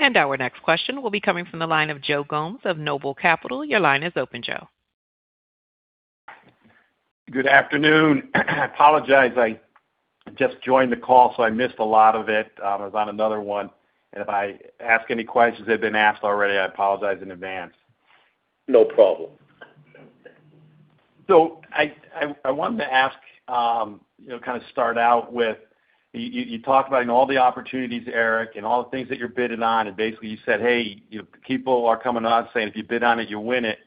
Our next question will be coming from the line of Joe Gomes of Noble Capital Markets. Your line is open, Joe. Good afternoon. I apologize. I just joined the call, so I missed a lot of it. I was on another one. If I ask any questions that have been asked already, I apologize in advance. No problem. I wanted to ask, you know, kind of start out with you. You talked about all the opportunities, Eric, and all the things that you're bidding on, and basically you said, Hey, you know, people are coming to us saying if you bid on it, you win it.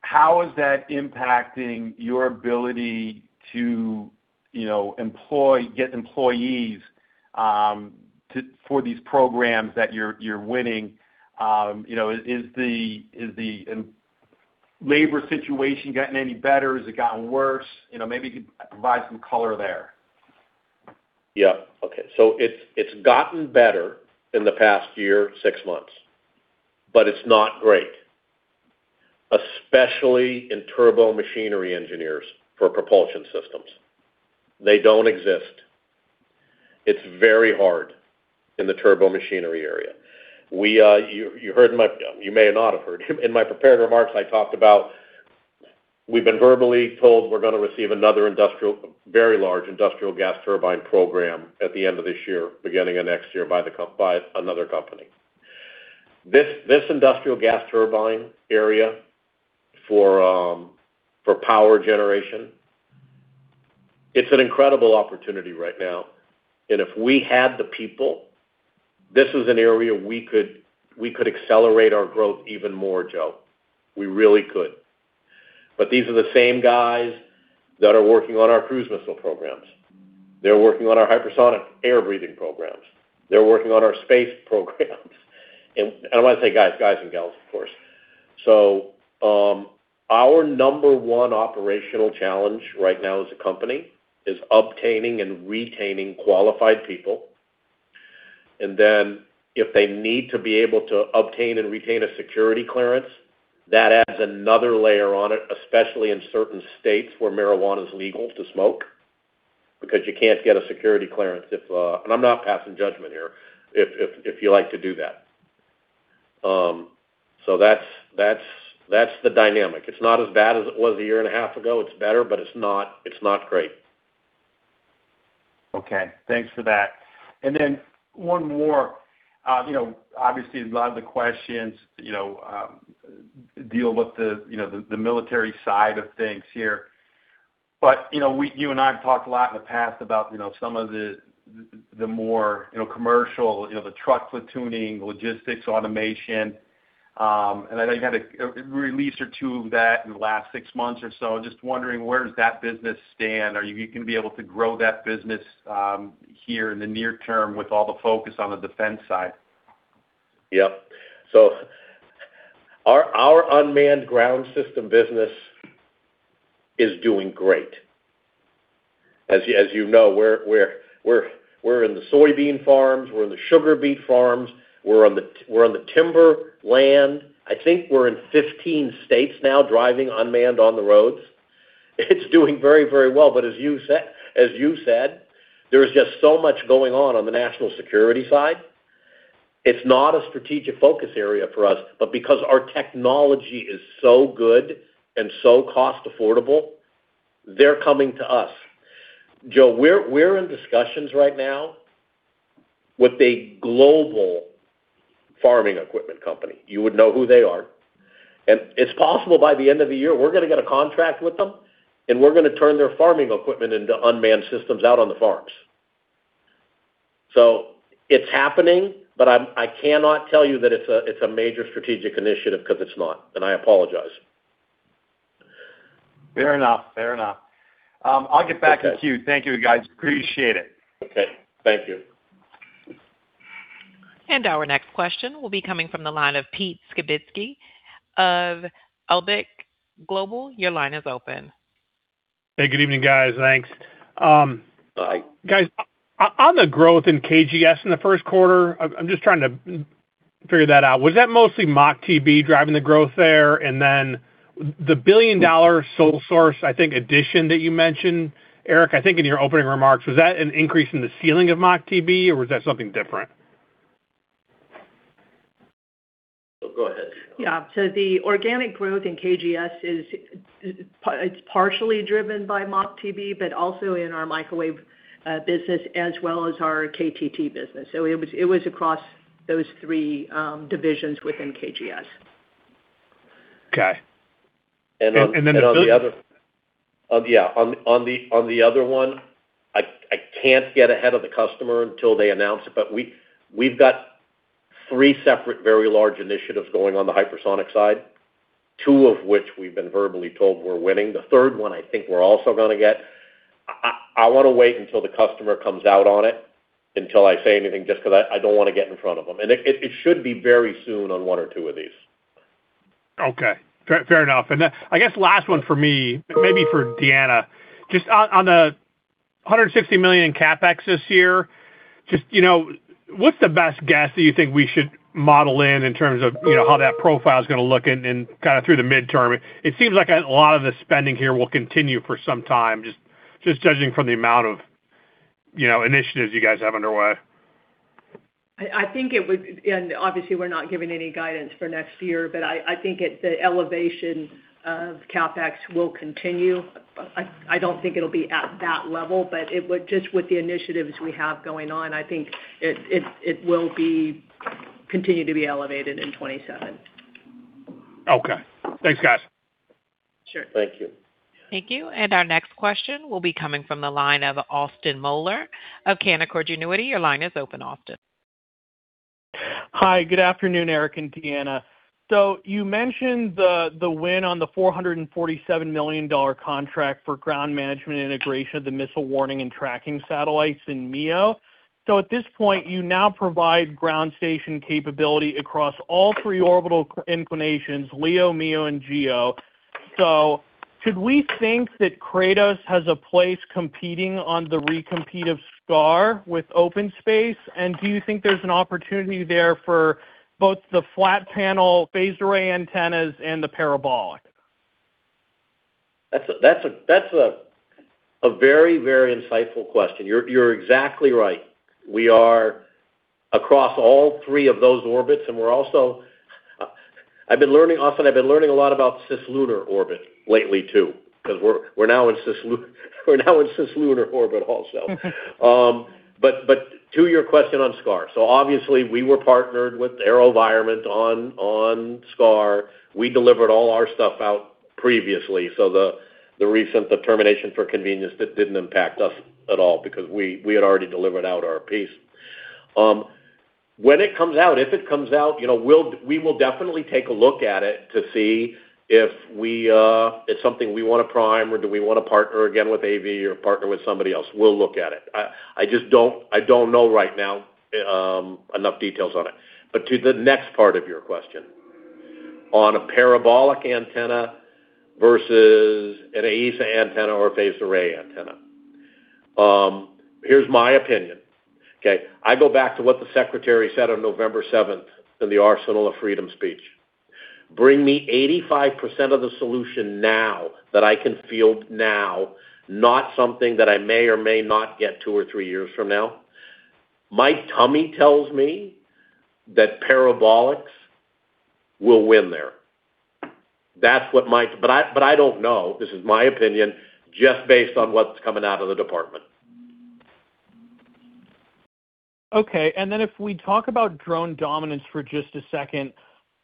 How is that impacting your ability to, you know, employ, get employees for these programs that you're winning? You know, is the labor situation getting any better? Has it gotten worse? You know, maybe you could provide some color there. Yeah. Okay. It's gotten better in the past year, six months, but it's not great, especially in turbo machinery engineers for propulsion systems. They don't exist. It's very hard in the turbo machinery area. You may not have heard. In my prepared remarks, I talked about we've been verbally told we're gonna receive another very large industrial gas turbine program at the end of this year, beginning of next year by another company. This industrial gas turbine area for power generation, it's an incredible opportunity right now. If we had the people, this is an area we could accelerate our growth even more, Joe. We really could. But these are the same guys that are working on our cruise missile programs. They're working on our hypersonic air-breathing programs. They're working on our space programs. When I say guys and gals, of course. Our number one operational challenge right now as a company is obtaining and retaining qualified people. Then if they need to be able to obtain and retain a security clearance, that adds another layer on it, especially in certain states where marijuana is legal to smoke, because you can't get a security clearance if, and I'm not passing judgment here, if you like to do that. That's the dynamic. It's not as bad as it was a year and a half ago. It's better, but it's not great. Okay. Thanks for that. Then one more. You know, obviously, a lot of the questions, you know, deal with the military side of things here. You know, you and I have talked a lot in the past about, you know, some of the more, you know, commercial, you know, the truck platooning, logistics automation. I know you had a release or two of that in the last six months or so. Just wondering where does that business stand? Are you gonna be able to grow that business here in the near term with all the focus on the defense side? Our unmanned ground system business is doing great. As you know, we're in the soybean farms, we're in the sugar beet farms, we're on the timber land. I think we're in 15 states now driving unmanned on the roads. It's doing very well. As you said, there is just so much going on on the national security side. It's not a strategic focus area for us. Because our technology is so good and so cost affordable, they're coming to us. Joe, we're in discussions right now with a global farming equipment company. You would know who they are. It's possible by the end of the year, we're gonna get a contract with them, and we're gonna turn their farming equipment into unmanned systems out on the farms. It's happening, but I cannot tell you that it's a major strategic initiative, because it's not, and I apologize. Fair enough. I'll get back to queue. Okay. Thank you, guys. Appreciate it. Okay. Thank you. Our next question will be coming from the line of Pete Skibitski of Alembic Global. Your line is open. Hey, good evening, guys. Thanks. Guys, on the growth in KGS in the first quarter, I'm just trying to figure that out. Was that mostly MACH-TB driving the growth there? Then the billion-dollar sole source, I think, addition that you mentioned, Eric, I think in your opening remarks, was that an increase in the ceiling of MACH-TB, or was that something different? Go ahead, Deanna. Yeah. The organic growth in KGS is partially driven by MACH-TB, but also in our microwave business, as well as our KTT business. It was across those three divisions within KGS. Okay. The third- On the other one, I can't get ahead of the customer until they announce it, but we've got three separate very large initiatives going on the hypersonic side, two of which we've been verbally told we're winning. The third one, I think we're also gonna get. I wanna wait until the customer comes out on it until I say anything, just 'cause I don't wanna get in front of them. It should be very soon on one or two of these. Okay. Fair enough. Then I guess last one for me, maybe for Deanna. Just on the $160 million in CapEx this year, just, you know, what's the best guess that you think we should model in terms of, you know, how that profile is gonna look in kind of through the midterm? It seems like a lot of the spending here will continue for some time, just judging from the amount of, you know, initiatives you guys have underway. I think it would. Obviously, we're not giving any guidance for next year, but I think the elevation of CapEx will continue. I don't think it'll be at that level, but just with the initiatives we have going on, I think it will continue to be elevated in 2027. Okay. Thanks, guys. Sure. Thank you. Thank you. Our next question will be coming from the line of Austin Moeller of Canaccord Genuity. Your line is open, Austin. Hi, good afternoon, Eric and Deanna. You mentioned the win on the $447 million contract for ground management integration of the missile warning and tracking satellites in MEO. At this point, you now provide ground station capability across all three orbital inclinations, LEO, MEO, and GEO. Should we think that Kratos has a place competing on the recompete of SCAR with OpenSpace? And do you think there's an opportunity there for both the flat panel phased array antennas and the parabolic? That's a very insightful question. You're exactly right. We are across all three of those orbits, and we're also. Austin, I've been learning a lot about cislunar orbit lately, too, because we're now in cislunar orbit also. But to your question on SCAR. Obviously we were partnered with AeroVironment on SCAR. We delivered all our stuff out previously. The recent termination for convenience, that didn't impact us at all because we had already delivered out our piece. When it comes out, if it comes out, we'll definitely take a look at it to see if it's something we wanna prime or do we wanna partner again with AV or partner with somebody else. We'll look at it. I just don't know right now enough details on it. To the next part of your question, on a parabolic antenna versus an AESA antenna or a phased array antenna. Here's my opinion, okay? I go back to what the secretary said on November seventh in the Arsenal of Freedom speech. Bring me 85% of the solution now that I can field now, not something that I may or may not get two or three years from now. My tummy tells me that parabolics will win there. That's what, but I don't know. This is my opinion, just based on what's coming out of the department. Okay. If we talk about Drone Dominance for just a second.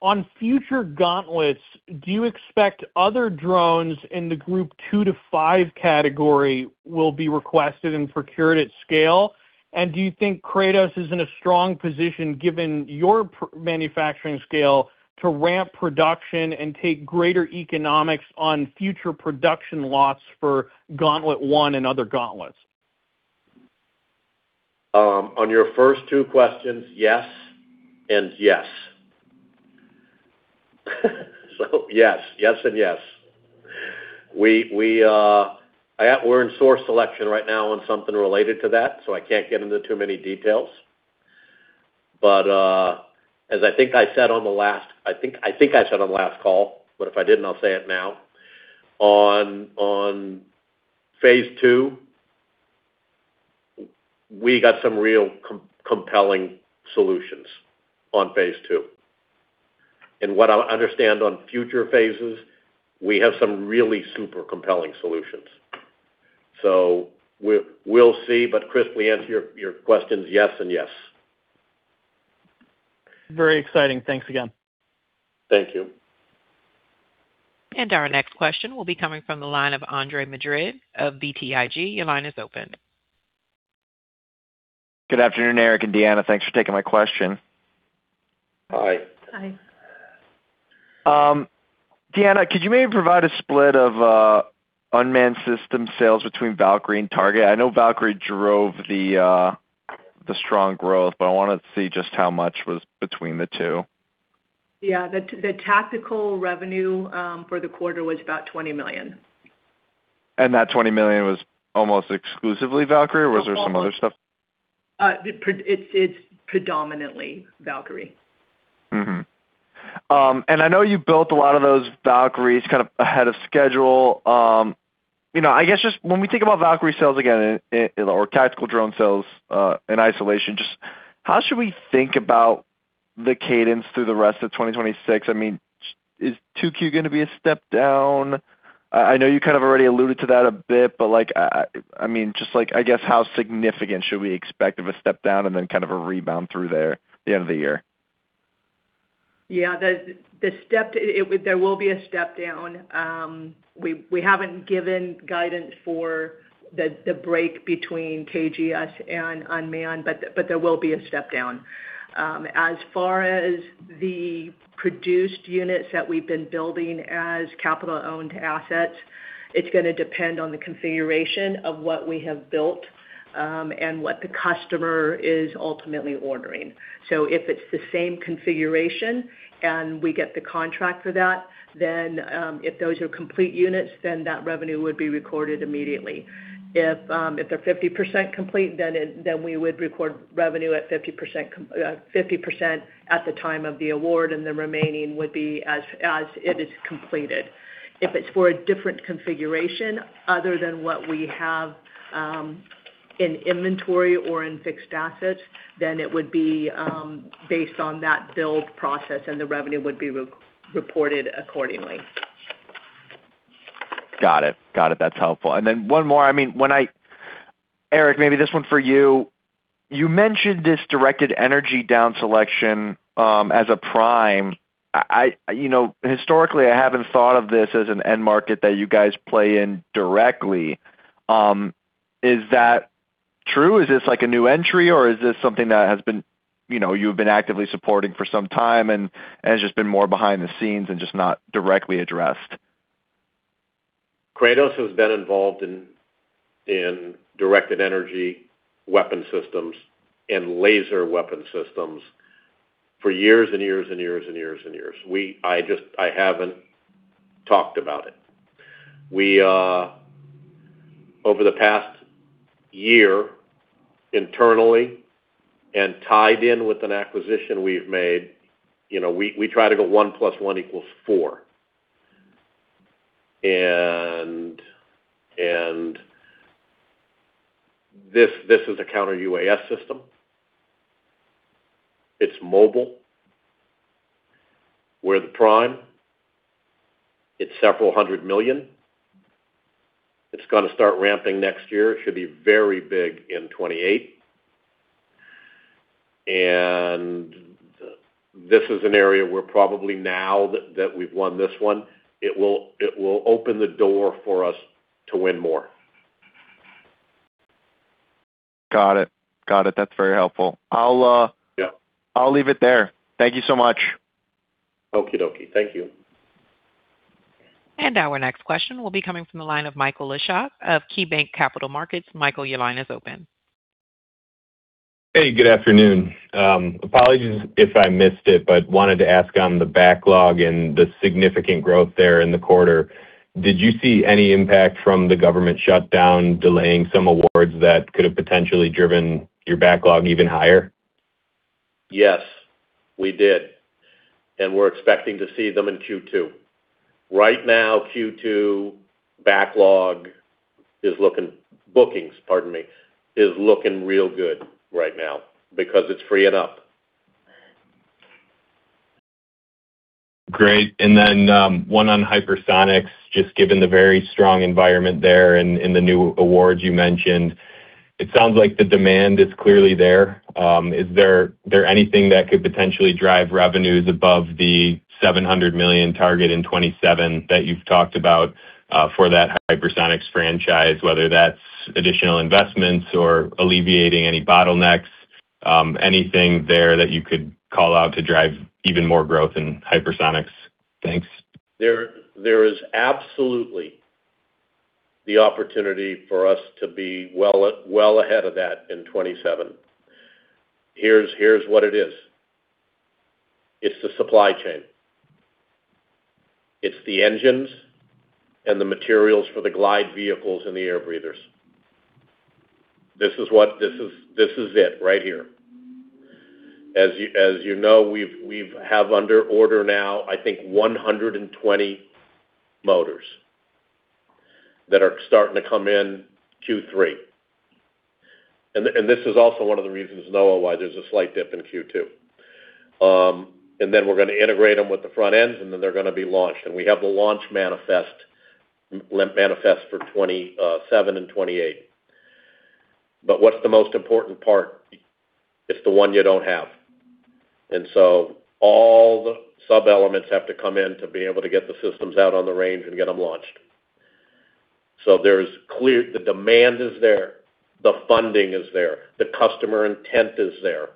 On future Gauntlets, do you expect other drones in the group two to five category will be requested and procured at scale? Do you think Kratos is in a strong position, given your manufacturing scale, to ramp production and take greater economics on future production lots for Gauntlet 1 and other Gauntlets? On your first two questions, yes and yes. Yes and yes. We're in source selection right now on something related to that, so I can't get into too many details. But as I think I said on the last call, but if I didn't, I'll say it now. On phase two, we got some real compelling solutions on phase two. And what I understand on future phases, we have some really super compelling solutions. We'll see. But Chris, we answer your questions yes and yes. Very exciting. Thanks again. Thank you. Our next question will be coming from the line of Andre Madrid of BTIG. Your line is open. Good afternoon, Eric and Deanna. Thanks for taking my question. Hi. Hi. Deanna, could you maybe provide a split of unmanned system sales between Valkyrie and Target? I know Valkyrie drove the strong growth, but I wanted to see just how much was between the two. Yeah. The tactical revenue for the quarter was about $20 million. That $20 million was almost exclusively Valkyrie, or was there some other stuff? It's predominantly Valkyrie. I know you built a lot of those Valkyries kind of ahead of schedule. You know, I guess just when we think about Valkyrie sales again, or tactical drone sales, in isolation, just how should we think about the cadence through the rest of 2026? I mean, is 2Q gonna be a step down? I know you kind of already alluded to that a bit, but like, I mean, just like, I guess, how significant should we expect of a step down and then kind of a rebound through there the end of the year? Yeah. The step, there will be a step down. We haven't given guidance for the break between KGS and unmanned, but there will be a step down. As far as the produced units that we've been building as capital-owned assets, it's gonna depend on the configuration of what we have built, and what the customer is ultimately ordering. If it's the same configuration and we get the contract for that, then if those are complete units, then that revenue would be recorded immediately. If they're 50% complete, then we would record revenue at 50% at the time of the award, and the remaining would be as it is completed. If it's for a different configuration other than what we have, in inventory or in fixed assets, then it would be, based on that build process, and the revenue would be re-reported accordingly. Got it. That's helpful. One more. I mean, Eric, maybe this one for you. You mentioned this directed energy down selection as a prime. You know, historically, I haven't thought of this as an end market that you guys play in directly. Is that true? Is this like a new entry, or is this something that has been, you know, you've been actively supporting for some time and has just been more behind the scenes and just not directly addressed? Kratos has been involved in directed energy weapon systems and laser weapon systems for years and years and years and years and years. I haven't talked about it. We, over the past year, internally and tied in with an acquisition we've made, you know, we try to go one plus one equals four. This is a Counter-UAS system. It's mobile. We're the prime. It's several hundred million. It's gonna start ramping next year. It should be very big in 2028. This is an area where probably now that we've won this one, it will open the door for us to win more. Got it. Got it. That's very helpful. I'll Yeah. I'll leave it there. Thank you so much. Thank you. Our next question will be coming from the line of Michael Ciarmoli of KeyBanc Capital Markets. Michael, your line is open. Hey, good afternoon. Apologies if I missed it, but wanted to ask on the backlog and the significant growth there in the quarter. Did you see any impact from the government shutdown delaying some awards that could have potentially driven your backlog even higher? Yes, we did. We're expecting to see them in Q2. Right now, Q2 backlog bookings, pardon me, is looking real good right now because it's freeing up. Great. Then, one on hypersonics, just given the very strong environment there and the new awards you mentioned. It sounds like the demand is clearly there. Is there anything that could potentially drive revenues above the $700 million target in 2027 that you've talked about, for that hypersonics franchise, whether that's additional investments or alleviating any bottlenecks, anything there that you could call out to drive even more growth in hypersonics? Thanks. There is absolutely the opportunity for us to be well ahead of that in 2027. Here's what it is. It's the supply chain. It's the engines and the materials for the glide vehicles and the air breathers. This is it right here. As you know, we have under order now, I think 120 motors that are starting to come in Q3. This is also one of the reasons, Noah, why there's a slight dip in Q2. Then we're gonna integrate them with the front ends, and then they're gonna be launched. We have the launch manifest for 2027 and 2028. What's the most important part? It's the one you don't have. All the sub-elements have to come in to be able to get the systems out on the range and get them launched. There's clearly the demand is there, the funding is there, the customer intent is there.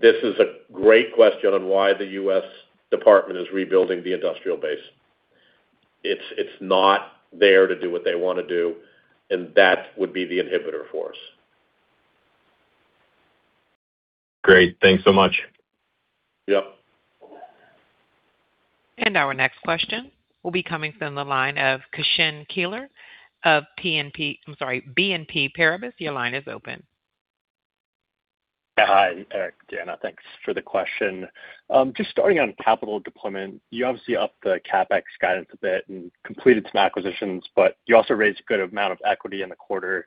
This is a great question on why the U.S. Department of Defense is rebuilding the industrial base. It's not there to do what they wanna do, and that would be the inhibitor for us. Great. Thanks so much. Yep. Our next question will be coming from the line of Cashen Keeler of BNP Paribas. Your line is open. Hi, Eric, Deanna. Thanks for the question. Just starting on capital deployment, you obviously upped the CapEx guidance a bit and completed some acquisitions, but you also raised a good amount of equity in the quarter.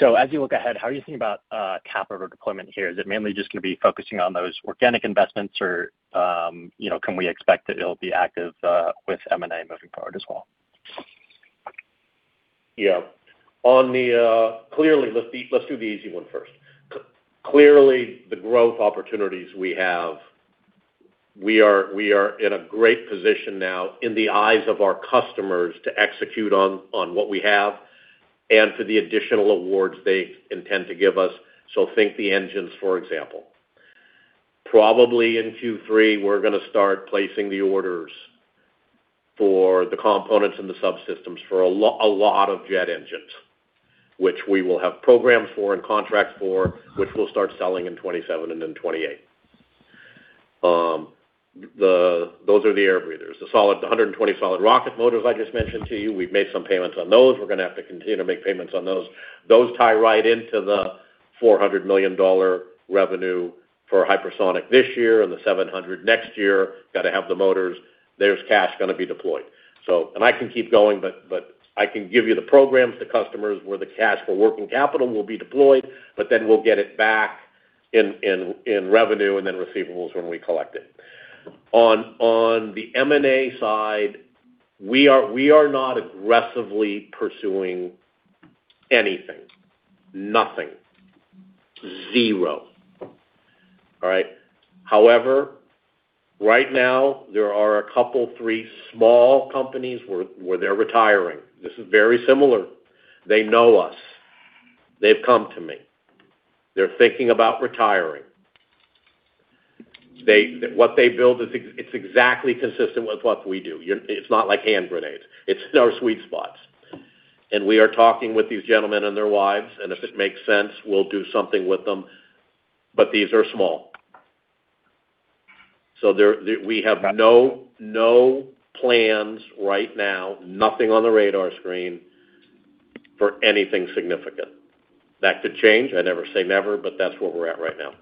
As you look ahead, how are you think about capital deployment here? Is it mainly just gonna be focusing on those organic investments or, you know, can we expect that it'll be active with M&A moving forward as well? Yeah. Clearly, let's do the easy one first. Clearly, the growth opportunities we have, we are in a great position now in the eyes of our customers to execute on what we have and for the additional awards they intend to give us. Think the engines, for example. Probably in Q3, we're gonna start placing the orders for the components and the subsystems for a lot of jet engines, which we will have programs for and contracts for, which we'll start selling in 2027 and then 2028. Those are the air breathers. The 120 solid rocket motors I just mentioned to you, we've made some payments on those. We're gonna have to continue to make payments on those. Those tie right into the $400 million revenue for hypersonic this year and the $700 million next year. Got to have the motors. There's cash gonna be deployed. I can keep going, but I can give you the programs, the customers, where the cash for working capital will be deployed, but then we'll get it back in revenue and then receivables when we collect it. On the M&A side, we are not aggressively pursuing anything. Nothing. Zero. All right? However, right now there are a couple, three small companies where they're retiring. This is very similar. They know us. They've come to me. They're thinking about retiring. What they build is it's exactly consistent with what we do. It's not like hand grenades. It's their sweet spots. We are talking with these gentlemen and their wives, and if it makes sense, we'll do something with them. These are small. There we have no plans right now, nothing on the radar screen for anything significant. That could change. I never say never, but that's where we're at right now.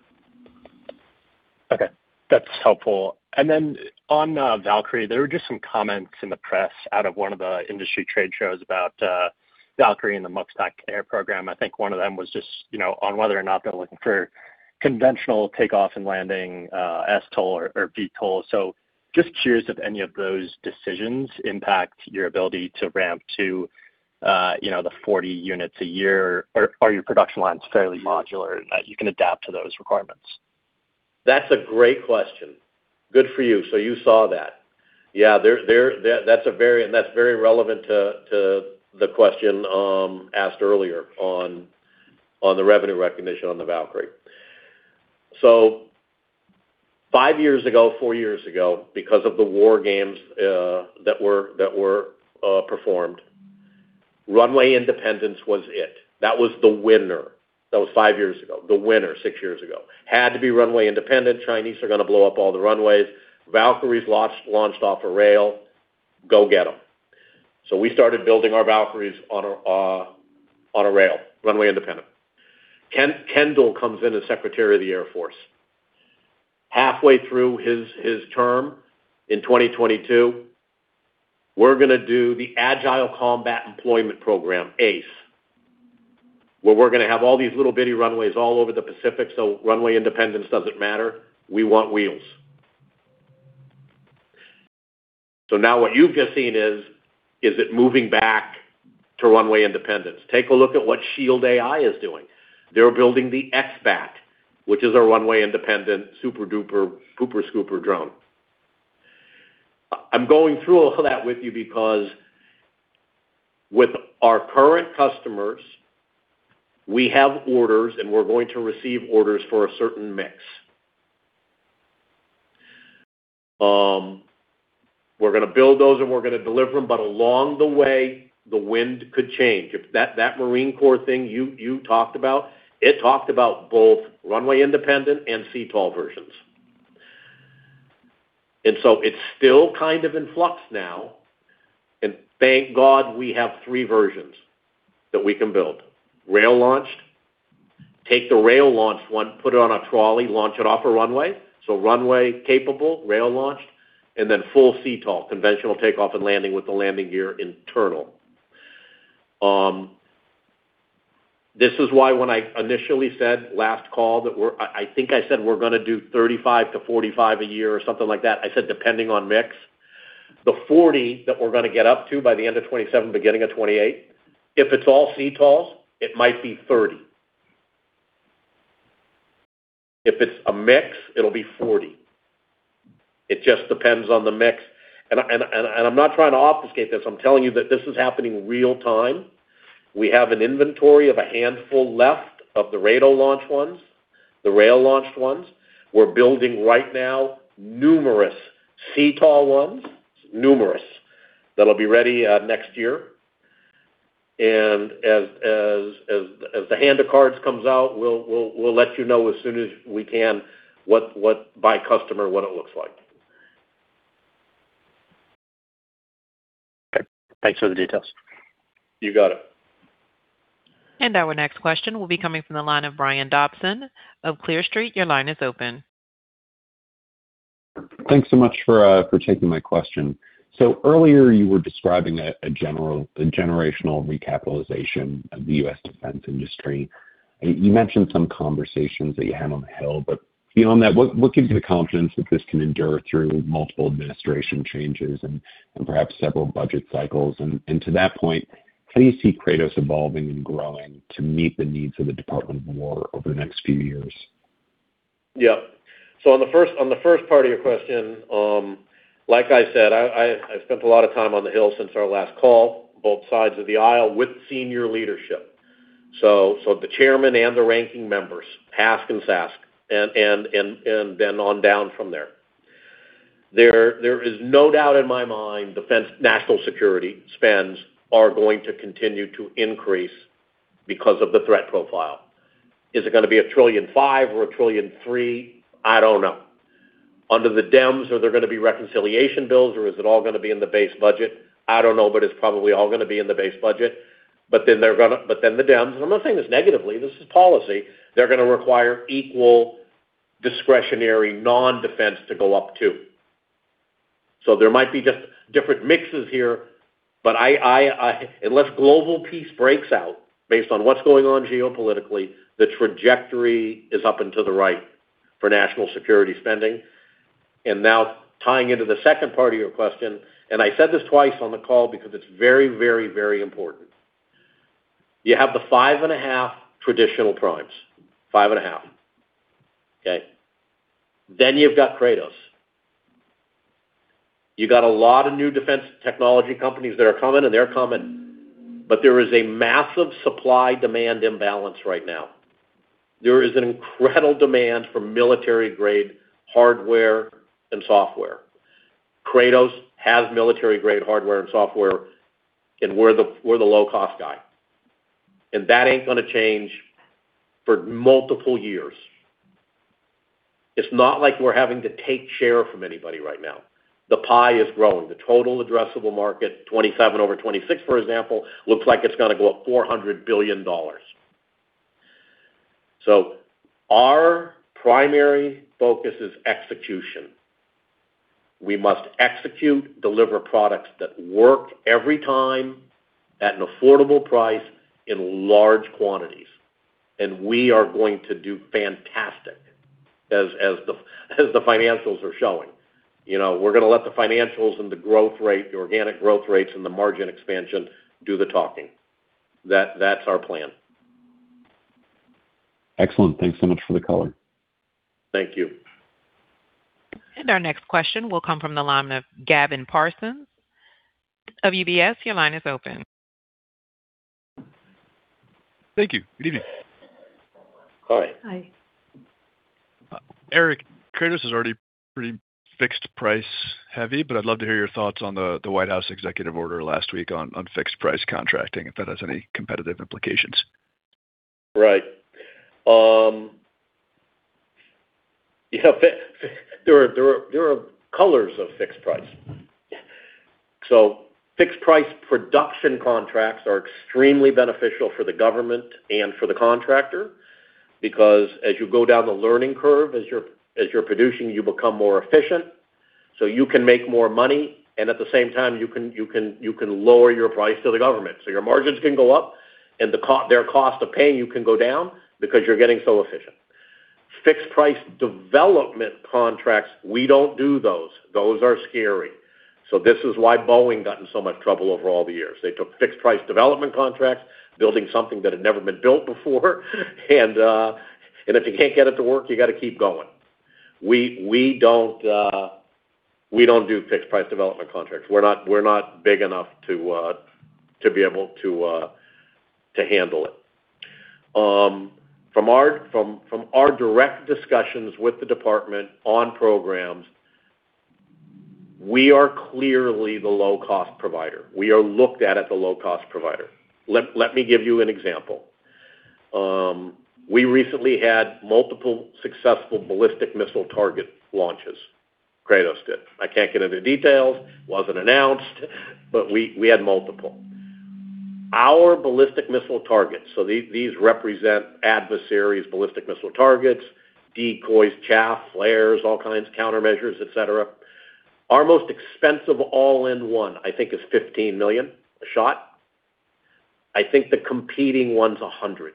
Okay. That's helpful. On Valkyrie, there were just some comments in the press out of one of the industry trade shows about Valkyrie and the MUX/TACAIR program. I think one of them was just, you know, on whether or not they're looking for conventional takeoff and landing, STOL or VTOL. Just curious if any of those decisions impact your ability to ramp to the 40 units a year, or are your production lines fairly modular that you can adapt to those requirements? That's a great question. Good for you. You saw that. Yeah. That's very relevant to the question asked earlier on the revenue recognition on the Valkyrie. Five years ago, four years ago, because of the war games that were performed, runway independence was it. That was the winner. That was five years ago, the winner, six years ago. Had to be runway independent. Chinese are gonna blow up all the runways. Valkyries launched off a rail. Go get 'em. We started building our Valkyries on a rail, runway independent. Kendall comes in as Secretary of the Air Force. Halfway through his term in 2022, we're gonna do the Agile Combat Employment Program, ACE, where we're gonna have all these little bitty runways all over the Pacific, so runway independence doesn't matter. We want wheels. Now what you've just seen is it moving back to runway independence. Take a look at what Shield AI is doing. They're building the X-BAT, which is a runway independent super-duper, pooper-scooper drone. I'm going through all that with you because with our current customers, we have orders, and we're going to receive orders for a certain mix. We're gonna build those, and we're gonna deliver them. Along the way, the wind could change. If that Marine Corps thing you talked about, it talked about both runway independent and CTOL versions. It's still kind of in flux now. Thank God we have three versions that we can build. Rail-launched. Take the rail-launched one, put it on a trolley, launch it off a runway. Runway capable, rail-launched, and then full CTOL, conventional takeoff and landing with the landing gear internal. This is why when I initially said last call that I think I said we're gonna do 35-45 a year or something like that. I said, depending on mix. The 40 that we're gonna get up to by the end of 2027, beginning of 2028, if it's all CTOLs, it might be 30. If it's a mix, it'll be 40. It just depends on the mix. I'm not trying to obfuscate this. I'm telling you that this is happening real-time. We have an inventory of a handful left of the rail-launch ones, the rail-launched ones. We're building right now numerous CTOL ones that'll be ready next year. As the hand of cards comes out, we'll let you know as soon as we can what by customer what it looks like. Okay. Thanks for the details. You got it. Our next question will be coming from the line of Brian Dobson of Clear Street. Your line is open. Thanks so much for taking my question. Earlier, you were describing a generational recapitalization of the U.S. defense industry. You mentioned some conversations that you had on the Hill, but beyond that, what gives you the confidence that this can endure through multiple administration changes and perhaps several budget cycles? To that point, how do you see Kratos evolving and growing to meet the needs of the Department of Defense over the next few years? Yeah. On the first part of your question, like I said, I've spent a lot of time on the Hill since our last call, both sides of the aisle with senior leadership. The chairman and the ranking members, HASC and SASC, and then on down from there. There is no doubt in my mind, defense national security spending is going to continue to increase because of the threat profile. Is it gonna be $1.5 trillion or $1.3 trillion? I don't know. Under the Dems, are there gonna be reconciliation bills, or is it all gonna be in the base budget? I don't know, but it's probably all gonna be in the base budget. The Dems, and I'm not saying this negatively, this is policy, they're gonna require equal discretionary non-defense to go up too. There might be just different mixes here, but unless global peace breaks out based on what's going on geopolitically, the trajectory is up and to the right for national security spending. Now tying into the second part of your question, and I said this twice on the call because it's very, very, very important. You have the 5.5 traditional primes. 5.5. Okay? You've got Kratos. You got a lot of new defense technology companies that are coming, and they're coming. There is a massive supply-demand imbalance right now. There is an incredible demand for military-grade hardware and software. Kratos has military-grade hardware and software, and we're the low-cost guy. That ain't gonna change for multiple years. It's not like we're having to take share from anybody right now. The pie is growing. The total addressable market, 2027 over 2026, for example, looks like it's gonna go up $400 billion. Our primary focus is execution. We must execute, deliver products that work every time at an affordable price in large quantities. We are going to do fantastic as the financials are showing. You know, we're gonna let the financials and the growth rate, the organic growth rates and the margin expansion do the talking. That's our plan. Excellent. Thanks so much for the color. Thank you. Our next question will come from the line of Gavin Parsons of UBS. Your line is open. Thank you. Good evening. Hi. Hi. Eric, Kratos is already pretty fixed price heavy, but I'd love to hear your thoughts on the White House executive order last week on fixed price contracting, if that has any competitive implications. Right. You know, there are flavors of fixed price. Fixed price production contracts are extremely beneficial for the government and for the contractor because as you go down the learning curve, as you're producing, you become more efficient, so you can make more money, and at the same time, you can lower your price to the government. Your margins can go up and their cost of paying you can go down because you're getting so efficient. Fixed price development contracts, we don't do those. Those are scary. This is why Boeing got in so much trouble over all the years. They took fixed price development contracts, building something that had never been built before. If you can't get it to work, you gotta keep going. We don't do fixed price development contracts. We're not big enough to be able to handle it. From our direct discussions with the department on programs, we are clearly the low-cost provider. We are looked at as a low-cost provider. Let me give you an example. We recently had multiple successful ballistic missile target launches. Kratos did. I can't get into details. It wasn't announced, but we had multiple. Our ballistic missile targets, so these represent adversaries' ballistic missile targets, decoys, chaff, flares, all kinds, countermeasures, et cetera. Our most expensive all-in-one, I think, is $15 million a shot. I think the competing one's $100 million.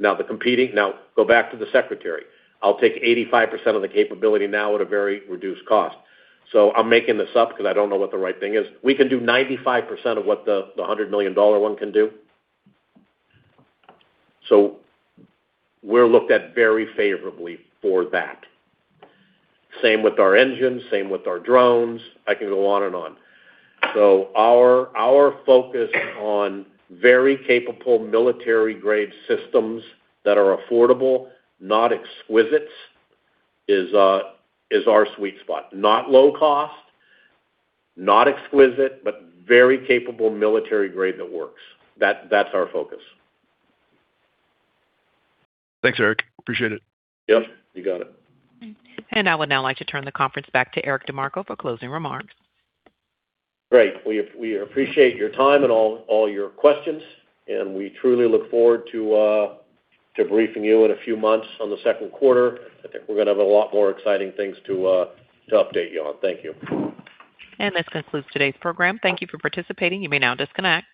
Now, the competing one. Now, go back to the secretary. I'll take 85% of the capability now at a very reduced cost. I'm making this up because I don't know what the right thing is. We can do 95% of what the $100 million one can do. We're looked at very favorably for that. Same with our engines, same with our drones. I can go on and on. Our focus on very capable military-grade systems that are affordable, not exquisite, is our sweet spot. Not low cost, not exquisite, but very capable military grade that works. That's our focus. Thanks, Eric. Appreciate it. Yep, you got it. I would now like to turn the conference back to Eric DeMarco for closing remarks. Great. We appreciate your time and all your questions, and we truly look forward to briefing you in a few months on the second quarter. I think we're gonna have a lot more exciting things to update you on. Thank you. This concludes today's program. Thank you for participating. You may now disconnect.